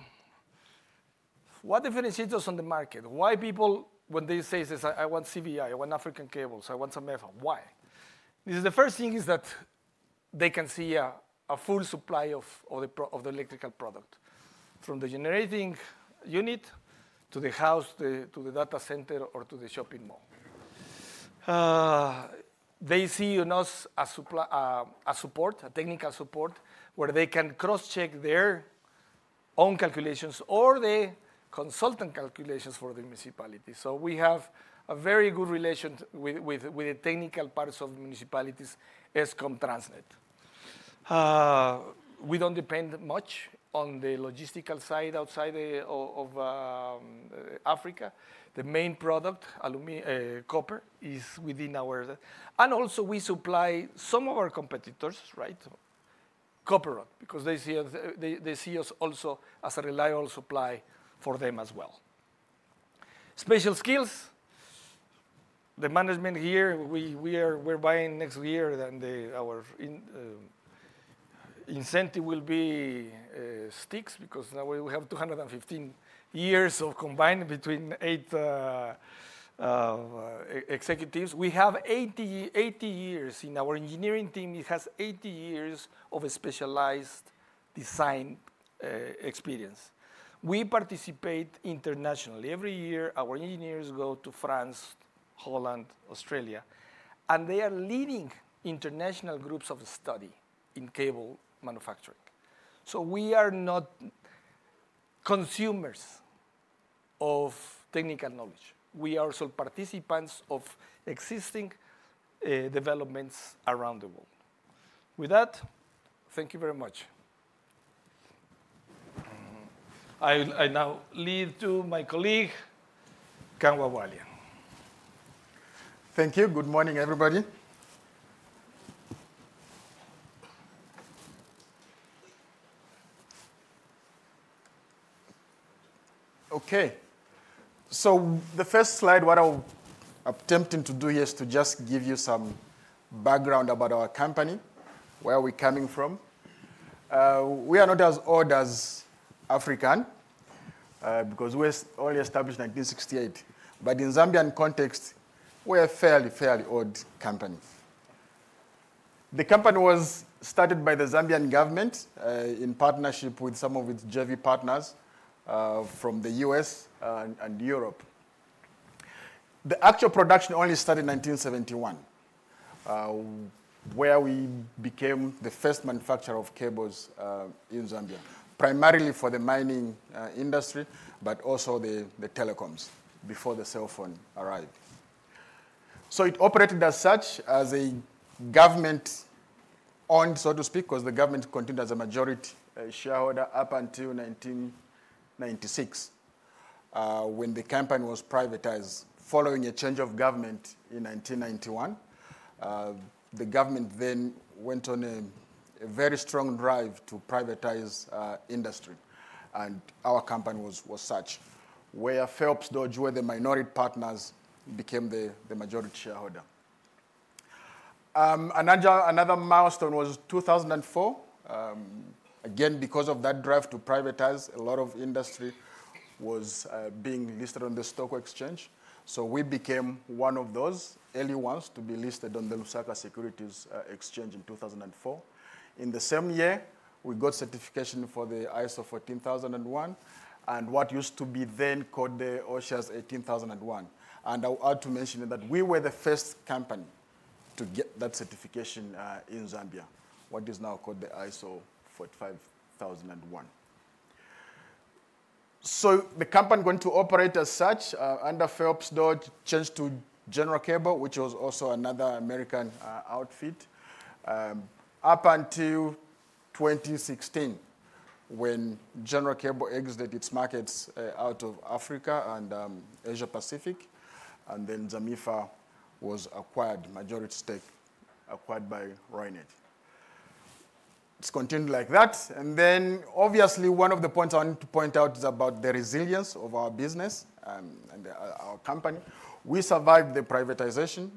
S3: What differentiates us on the market? Why do people, when they say, I want CBI, I want African Cables, I want Zamefa, why? The first thing is that they can see a full supply of the electrical product from the generating unit to the house, to the data center, or to the shopping mall. They see in us a support, a technical support, where they can cross-check their own calculations or the consultant calculations for the municipality. We have a very good relation with the technical parts of the municipalities, Eskom, Transnet. We don't depend much on the logistical side outside of Africa. The main product, copper, is within our... and also, we supply some of our competitors, right, copper rod, because they see us also as a reliable supply for them as well. Special skills, the management here, we're buying next year, and our incentive will be sticks, because now we have 215 years of combining between eight executives. We have 80 years in our engineering team. It has 80 years of specialized design experience. We participate internationally. Every year, our engineers go to France, Holland, Australia, and they are leading international groups of study in cable manufacturing. We are not consumers of technical knowledge. We are also participants of existing developments around the world. With that, thank you very much. I now leave to my colleague, Kangwa Bwalya.
S4: Thank you. Good morning, everybody. Okay. The first slide, what I'm attempting to do here is to just give you some background about our company, where we're coming from. We are not as old as African Cables, because we were only established in 1968. In Zambian context, we're a fairly, fairly old company. The company was started by the Zambian government in partnership with some of its JV partners from the U.S. and Europe. The actual production only started in 1971, where we became the first manufacturer of cables in Zambia, primarily for the mining industry, but also the telecoms before the cell phone arrived. It operated as such as a government-owned, so to speak, because the government continued as a majority shareholder up until 1996. When the company was privatized following a change of government in 1991, the government then went on a very strong drive to privatize industry, and our company was such. Where Phelps Dodge, where the minority partners became the majority shareholder. Another milestone was 2004. Again, because of that drive to privatize, a lot of industry was being listed on the Stock Exchange. We became one of those early ones to be listed on the Lusaka Securities Exchange in 2004. In the same year, we got certification for the ISO 14001, and what used to be then called the OHSAS 18001. I want to mention that we were the first company to get that certification in Zambia, what is now called the ISO 45001. The company went to operate as such, under Phelps Dodge, changed to General Cable, which was also another American outfit, up until 2016, when General Cable exited its markets out of Africa and Asia Pacific, and then Zamefa was acquired, majority stake acquired by Reunert. It's continued like that. Obviously, one of the points I wanted to point out is about the resilience of our business and our company. We survived the privatization.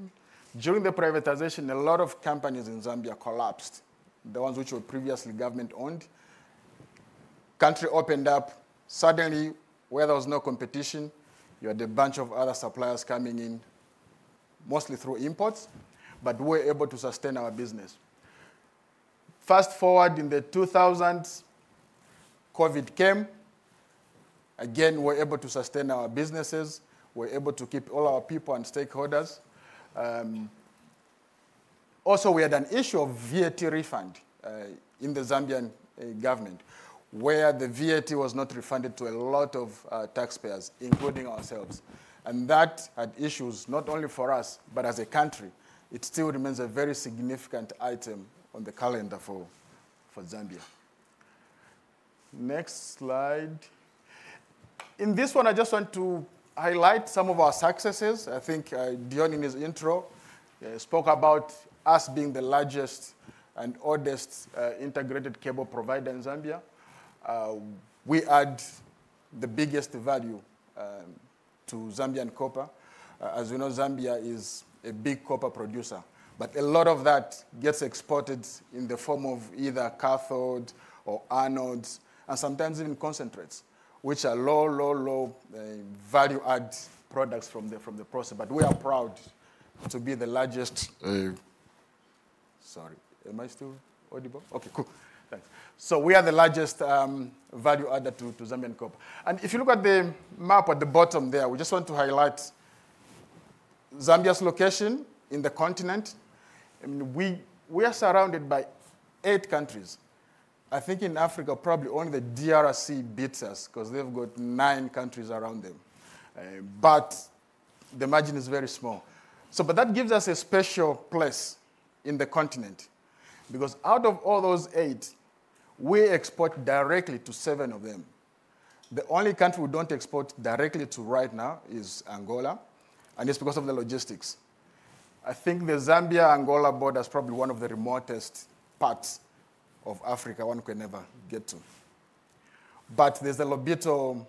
S4: During the privatization, a lot of companies in Zambia collapsed, the ones which were previously government-owned. The country opened up. Suddenly, where there was no competition, you had a bunch of other suppliers coming in, mostly through imports, but we were able to sustain our business. Fast forward in the 2000s, COVID came. Again, we were able to sustain our businesses. We were able to keep all our people and stakeholders. Also, we had an issue of VAT refund in the Zambian government, where the VAT was not refunded to a lot of taxpayers, including ourselves. That had issues not only for us, but as a country, it still remains a very significant item on the calendar for Zambia. Next slide. In this one, I just want to highlight some of our successes. I think Deon, in his intro, spoke about us being the largest and oldest integrated cable provider in Zambia. We add the biggest value to Zambian copper. As we know, Zambia is a big copper producer, but a lot of that gets exported in the form of either cathode or anodes, and sometimes even concentrates, which are low value-add products from the process. We are proud to be the largest value-add to Zambian copper. If you look at the map at the bottom there, we just want to highlight Zambia's location in the continent. I mean, we are surrounded by eight countries. I think in Africa, probably only the DRC beats us because they've got nine countries around them, but the margin is very small. That gives us a special place in the continent because out of all those eight, we export directly to seven of them. The only country we don't export directly to right now is Angola, and it's because of the logistics. I think the Zambia-Angola border is probably one of the remotest parts of Africa one can ever get to. There is the Lobito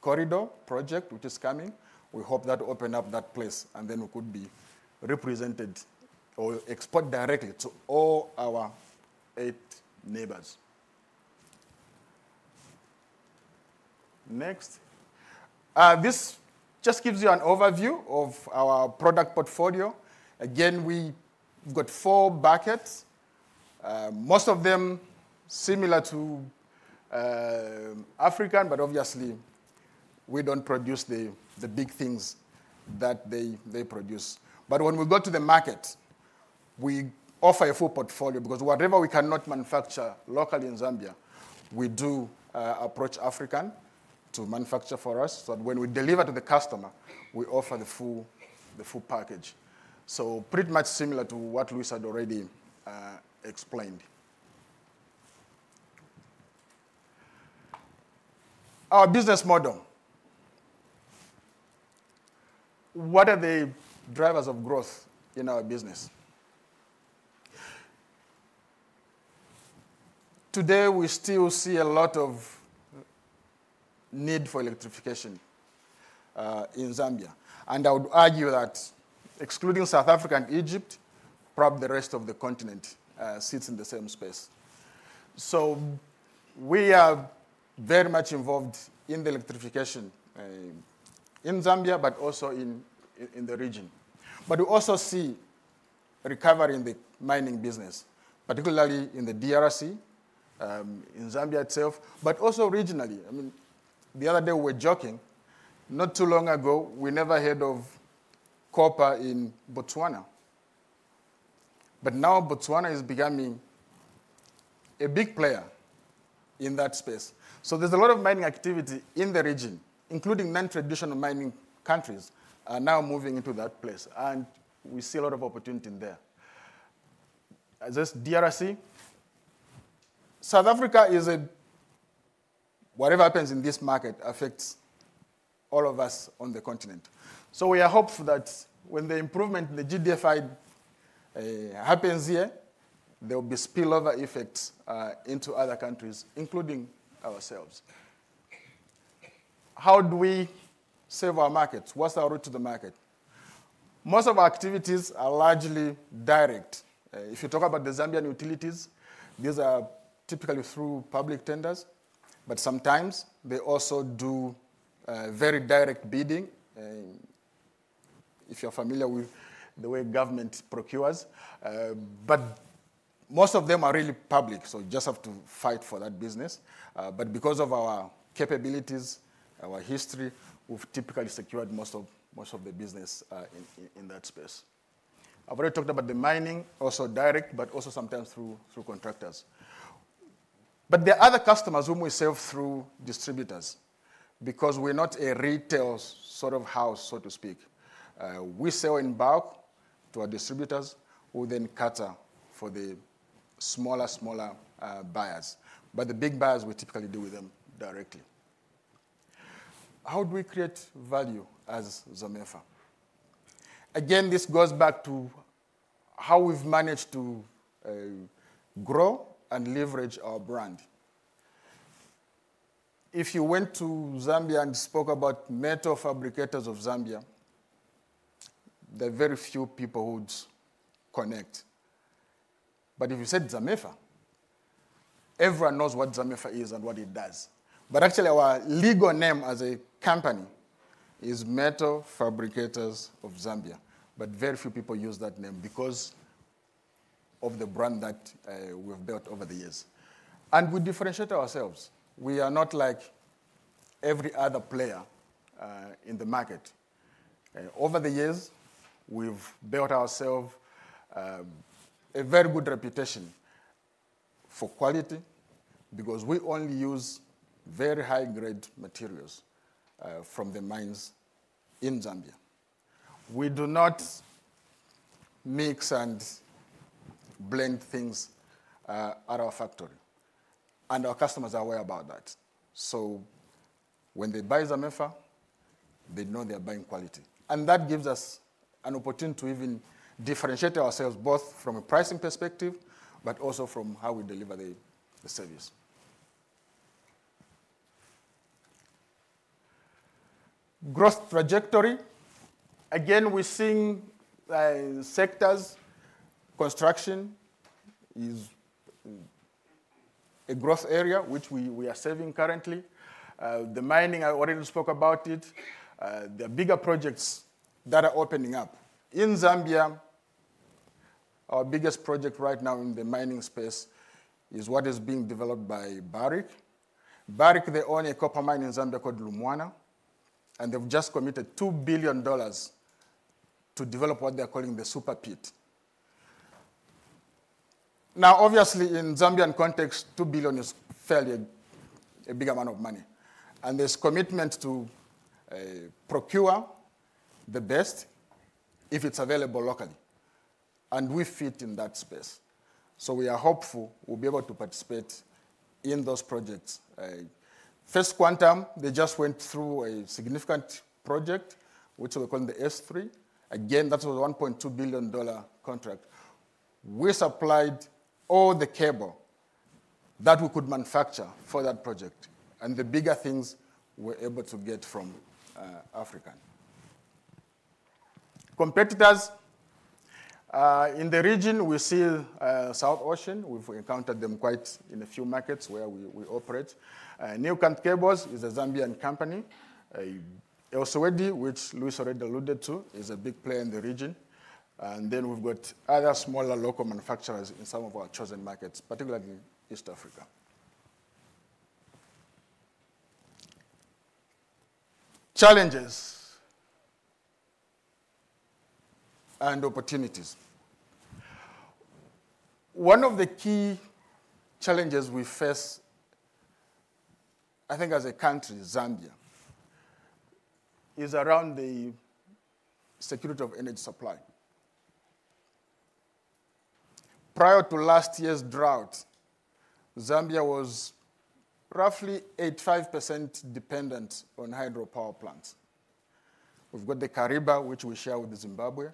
S4: Corridor project, which is coming. We hope that will open up that place, and then we could be represented or export directly to all our eight neighbors. Next, this just gives you an overview of our product portfolio. Again, we've got four buckets, most of them similar to African Cables, but obviously, we don't produce the big things that they produce. When we go to the market, we offer a full portfolio because whatever we cannot manufacture locally in Zambia, we do approach African Cables to manufacture for us. When we deliver to the customer, we offer the full package. Pretty much similar to what Luis had already explained. Our business model. What are the drivers of growth in our business? Today, we still see a lot of need for electrification in Zambia, and I would argue that excluding South Africa and Egypt, probably the rest of the continent sits in the same space. We are very much involved in the electrification in Zambia, but also in the region. We also see recovery in the mining business, particularly in the DRC and Zambia itself, but also regionally. I mean, the other day we were joking, not too long ago, we never heard of copper in Botswana. Now Botswana is becoming a big player in that space. There's a lot of mining activity in the region, including non-traditional mining countries are now moving into that place, and we see a lot of opportunity in there. As DRC, South Africa is a... Whatever happens in this market affects all of us on the continent. We are hopeful that when the improvement, the GDFI happens here, there will be spillover effects into other countries, including ourselves. How do we save our markets? What's our route to the market? Most of our activities are largely direct. If you talk about the Zambian utilities, these are typically through public tenders, but sometimes they also do very direct bidding, if you're familiar with the way government procures. Most of them are really public, so we just have to fight for that business. Because of our capabilities, our history, we've typically secured most of the business in that space. I've already talked about the mining, also direct, but also sometimes through contractors. The other customers whom we sell through distributors, because we're not a retail sort of house, so to speak, we sell in bulk to our distributors, who then cater for the smaller, smaller buyers. The big buyers, we typically deal with them directly. How do we create value as Zamefa? Again, this goes back to how we've managed to grow and leverage our brand. If you went to Zambia and spoke about Metal Fabricators of Zambia, there are very few people who would connect. If you said Zamefa, everyone knows what Zamefa is and what it does. Actually, our legal name as a company is Metal Fabricators of Zambia, but very few people use that name because of the brand that we've built over the years. We differentiate ourselves. We are not like every other player in the market. Over the years, we've built ourselves a very good reputation for quality because we only use very high-grade materials from the mines in Zambia. We do not mix and blend things at our factory, and our customers are aware about that. When they buy Zamefa, they know they're buying quality. That gives us an opportunity to even differentiate ourselves both from a pricing perspective, but also from how we deliver the service. Growth trajectory. We're seeing sectors. Construction is a growth area which we are serving currently. The mining, I already spoke about it. There are bigger projects that are opening up. In Zambia, our biggest project right now in the mining space is what is being developed by Barrick. Barrick, they own a copper mine in Zambia called Lumwana, and they've just committed $2 billion to develop what they're calling the Super Pit. Obviously, in Zambian context, $2 billion is fairly a big amount of money. There's a commitment to procure the best if it's available locally, and we fit in that space. We are hopeful we'll be able to participate in those projects. First Quantum, they just went through a significant project, which we're calling the S3. Again, that was a $1.2 billion contract. We supplied all the cable that we could manufacture for that project, and the bigger things we're able to get from Africa. Competitors in the region, we see South Ocean. We've encountered them quite in a few markets where we operate. NewCant Cables is a Zambian company. El Sewedy, which Luis already alluded to, is a big player in the region. We've got other smaller local manufacturers in some of our chosen markets, particularly East Africa. Challenges and opportunities. One of the key challenges we face, I think as a country, Zambia, is around the security of energy supply. Prior to last year's drought, Zambia was roughly 85% dependent on hydropower plants. We've got the Kariba, which we share with Zimbabwe.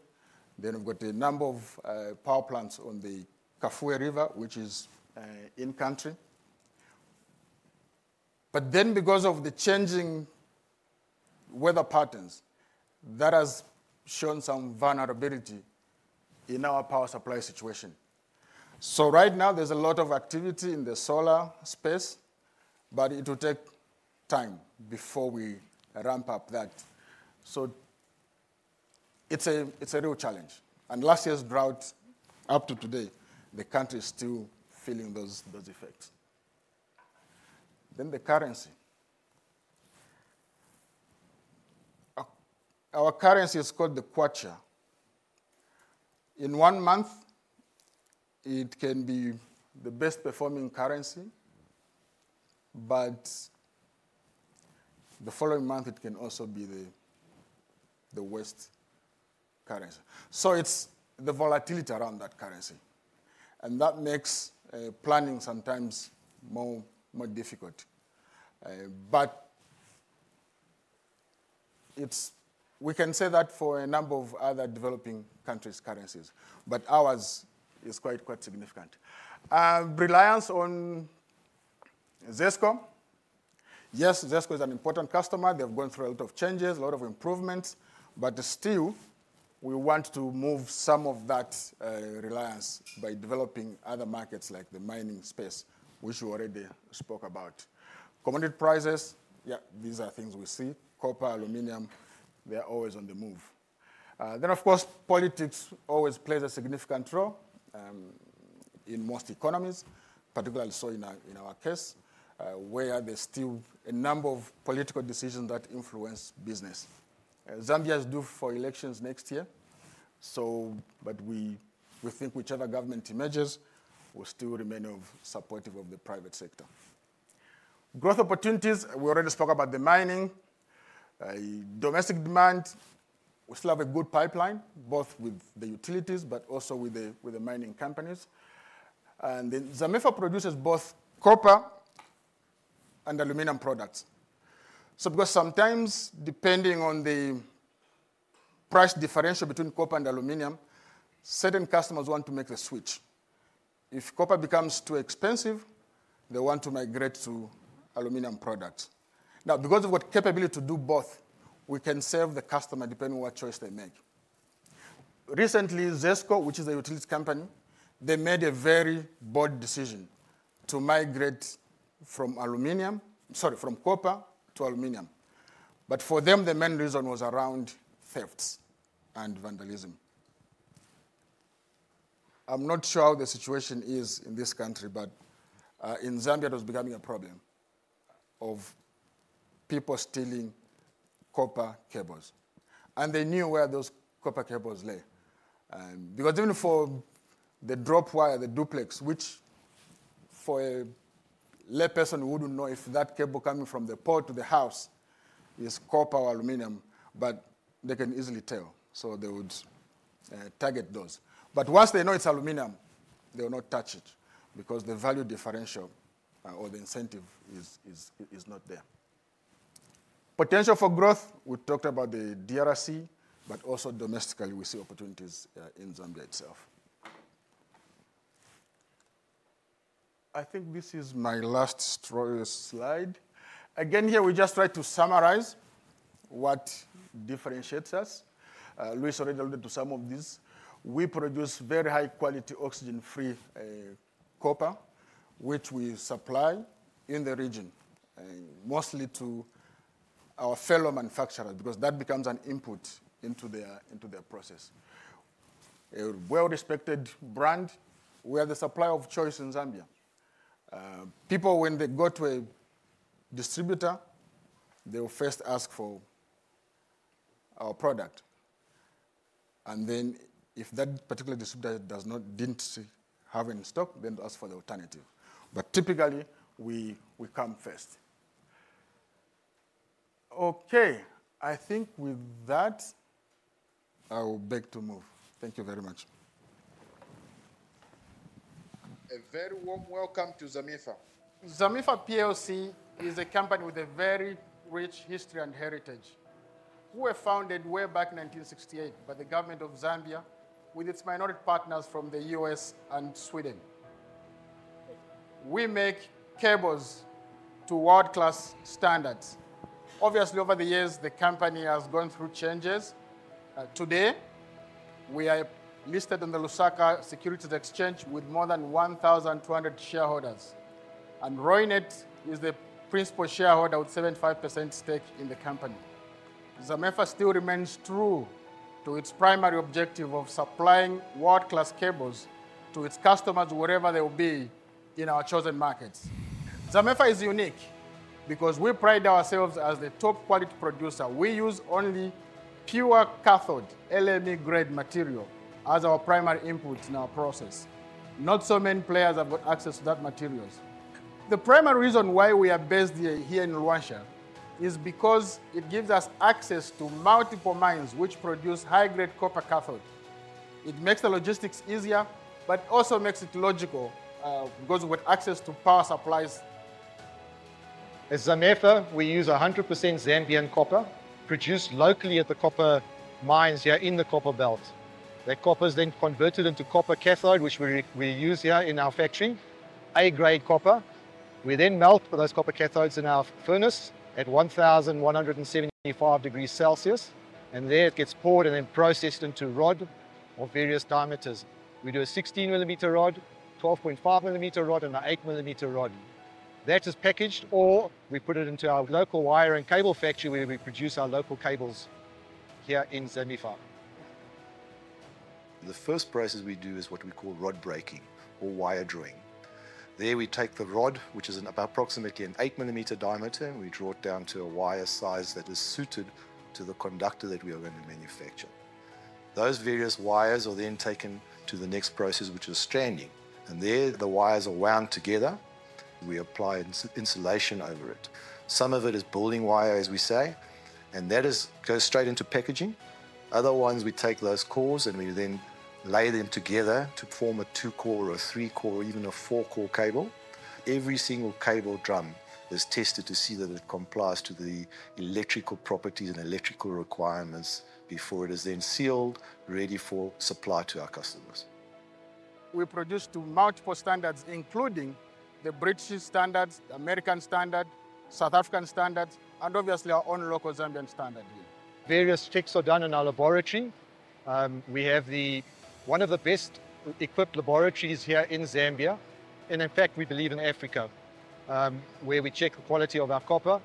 S4: We've got a number of power plants on the Kafue River, which is in-country. Because of the changing weather patterns, that has shown some vulnerability in our power supply situation. Right now, there's a lot of activity in the solar space, but it will take time before we ramp up that. It's a real challenge. Last year's drought, up to today, the country is still feeling those effects. The currency. Our currency is called the Kwacha. In one month, it can be the best performing currency, but the following month, it can also be the worst currency. It's the volatility around that currency, and that makes planning sometimes more difficult. We can say that for a number of other developing countries' currencies, but ours is quite significant. Reliance on ZESCO. Yes, ZESCO is an important customer. They've gone through a lot of changes, a lot of improvements, but still, we want to move some of that reliance by developing other markets like the mining space, which we already spoke about. Commodity prices, yeah, these are things we see. Copper, aluminum, they're always on the move. Of course, politics always plays a significant role in most economies, particularly so in our case, where there's still a number of political decisions that influence business. Zambia is due for elections next year, but we think whichever government emerges, we'll still remain supportive of the private sector. Growth opportunities, we already spoke about the mining. Domestic demand, we still have a good pipeline, both with the utilities, but also with the mining companies. Zamefa produces both copper and aluminum products. Sometimes, depending on the price differential between copper and aluminum, certain customers want to make the switch. If copper becomes too expensive, they want to migrate to aluminum products. Now, because we've got the capability to do both, we can serve the customer depending on what choice they make. Recently, ZESCO, which is a utility company, made a very bold decision to migrate from copper to aluminum. For them, the main reason was around thefts and vandalism. I'm not sure how the situation is in this country, but in Zambia, it was becoming a problem of people stealing copper cables. They knew where those copper cables lay, because even for the drop wire, the duplex, which for a layperson who wouldn't know if that cable coming from the port to the house is copper, aluminum. They can easily tell, so they would target those. Once they know it's aluminum, they will not touch it because the value differential or the incentive is not there. Potential for growth, we talked about the DRSC, but also domestically we see opportunities in Zambia itself. I think this is my last slide. Again, here we just try to summarize what differentiates us. Luis already alluded to some of these. We produce very high-quality oxygen-free copper, which we supply in the region, mostly to our fellow manufacturers because that becomes an input into their process. A well-respected brand, we are the supplier of choice in Zambia. People, when they go to a distributor, will first ask for our product, and if that particular distributor does not have any stock, then they ask for the alternative. Typically, we come first. I think with that, I will beg to move. Thank you very much. A very warm welcome to Zamefa. Zamefa PLC is a company with a very rich history and heritage who were founded way back in 1968 by the government of Zambia with its minority partners from the U.S. and Sweden. We make cables to world-class standards. Obviously, over the years, the company has gone through changes. Today, we are listed on the Lusaka Securities Exchange with more than 1,200 shareholders, and Reunert is the principal shareholder with a 75% stake in the company. Zamefa still remains true to its primary objective of supplying world-class cables to its customers wherever they will be in our chosen markets. Zamefa is unique because we pride ourselves as the top-quality producer. We use only pure cathode, LME-grade material as our primary input in our process. Not so many players have access to that material. The primary reason why we are based here in Luanshya is because it gives us access to multiple mines which produce high-grade copper cathode. It makes the logistics easier, but also makes it logical because we have access to power supplies. At Zamefa, we use 100% Zambian copper produced locally at the copper mines here in the Copper Belt. That copper is then converted into copper cathode, which we use here in our factory, A-grade copper. We then melt those copper cathodes in our furnace at 1,175 degrees Celsius, and there it gets poured and then processed into rod of various diameters. We do a 16-millimeter rod, 12.5-millimeter rod, and an 8-millimeter rod. That is packaged or we put it into our local wire and cable factory where we produce our local cables here in Zamefa. The first process we do is what we call rod breaking or wire drawing. There we take the rod, which is approximately an 8-millimeter diameter, and we draw it down to a wire size that is suited to the conductor that we are going to manufacture. Those various wires are then taken to the next process, which is stranding, and there the wires are wound together. We apply insulation over it. Some of it is building wire, as we say, and that goes straight into packaging. Other ones, we take those cores and we then lay them together to form a two-core or a three-core, even a four-core cable. Every single cable drum is tested to see that it complies to the electrical properties and electrical requirements before it is then sealed, ready for supply to our customers. We produce to multiple standards, including the British standards, the American standard, South African standards, and obviously our own local Zambian standard here. Various checks are done in our laboratory. We have one of the best-equipped laboratories here in Zambia, and in fact, we believe in Africa, where we check the quality of our copper.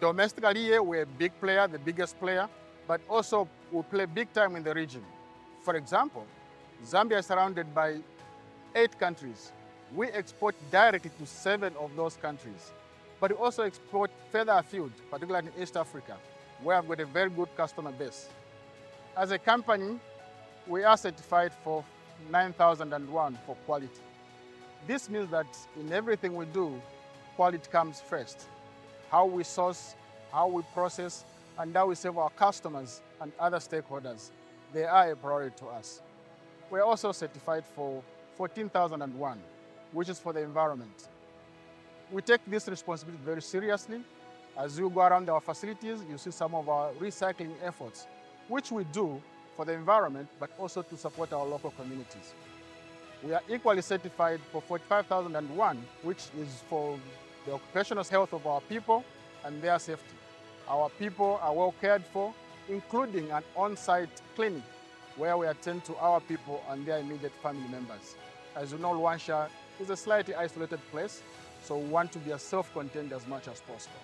S4: Domestically, we're a big player, the biggest player, but also we play big time in the region. For example, Zambia is surrounded by eight countries. We export directly to seven of those countries, but we also export further afield, particularly in East Africa, where we have a very good customer base. As a company, we are certified for 9001 for quality. This means that in everything we do, quality comes first. How we source, how we process, and how we serve our customers and other stakeholders, they are a priority to us. We're also certified for 14001, which is for the environment. We take this responsibility very seriously. As you go around our facilities, you see some of our recycling efforts, which we do for the environment, but also to support our local communities. We are equally certified for 45001, which is for the occupational health of our people and their safety. Our people are well cared for, including an on-site clinic where we attend to our people and their immediate family members. As you know, Luanshya is a slightly isolated place, so we want to be self-contained as much as possible.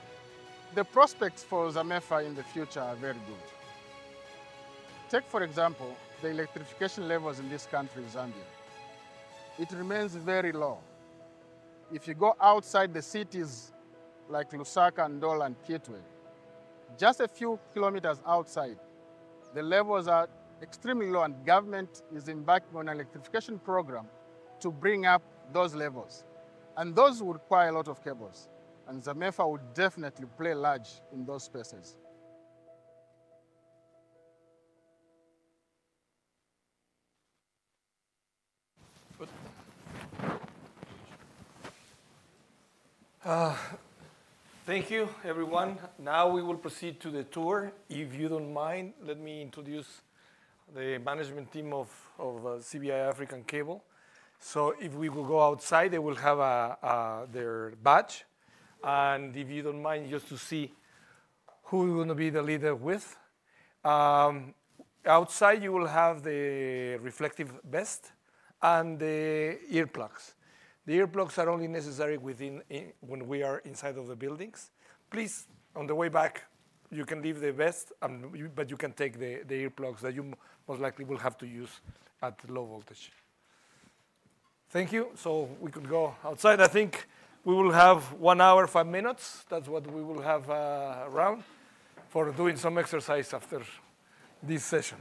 S4: The prospects for Zamefa in the future are very good. Take, for example, the electrification levels in this country, Zambia. It remains very low. If you go outside the cities like Lusaka, Ndola, and Kitwe, just a few km outside, the levels are extremely low, and the government is embarking on an electrification program to bring up those levels. Those would require a lot of cables, and Zamefa would definitely play large in those spaces.
S1: Thank you, everyone. Now we will proceed to the tour. If you don't mind, let me introduce the management team of CBI Electric African Cables. If we will go outside, they will have their badge, and if you don't mind just to see who is going to be the leader with. Outside, you will have the reflective vest and the ear plugs. The ear plugs are only necessary when we are inside of the buildings. Please, on the way back, you can leave the vest, but you can take the ear plugs that you most likely will have to use at low voltage. Thank you. We could go outside. I think we will have one hour, five minutes. That's what we will have around for doing some exercise after this session.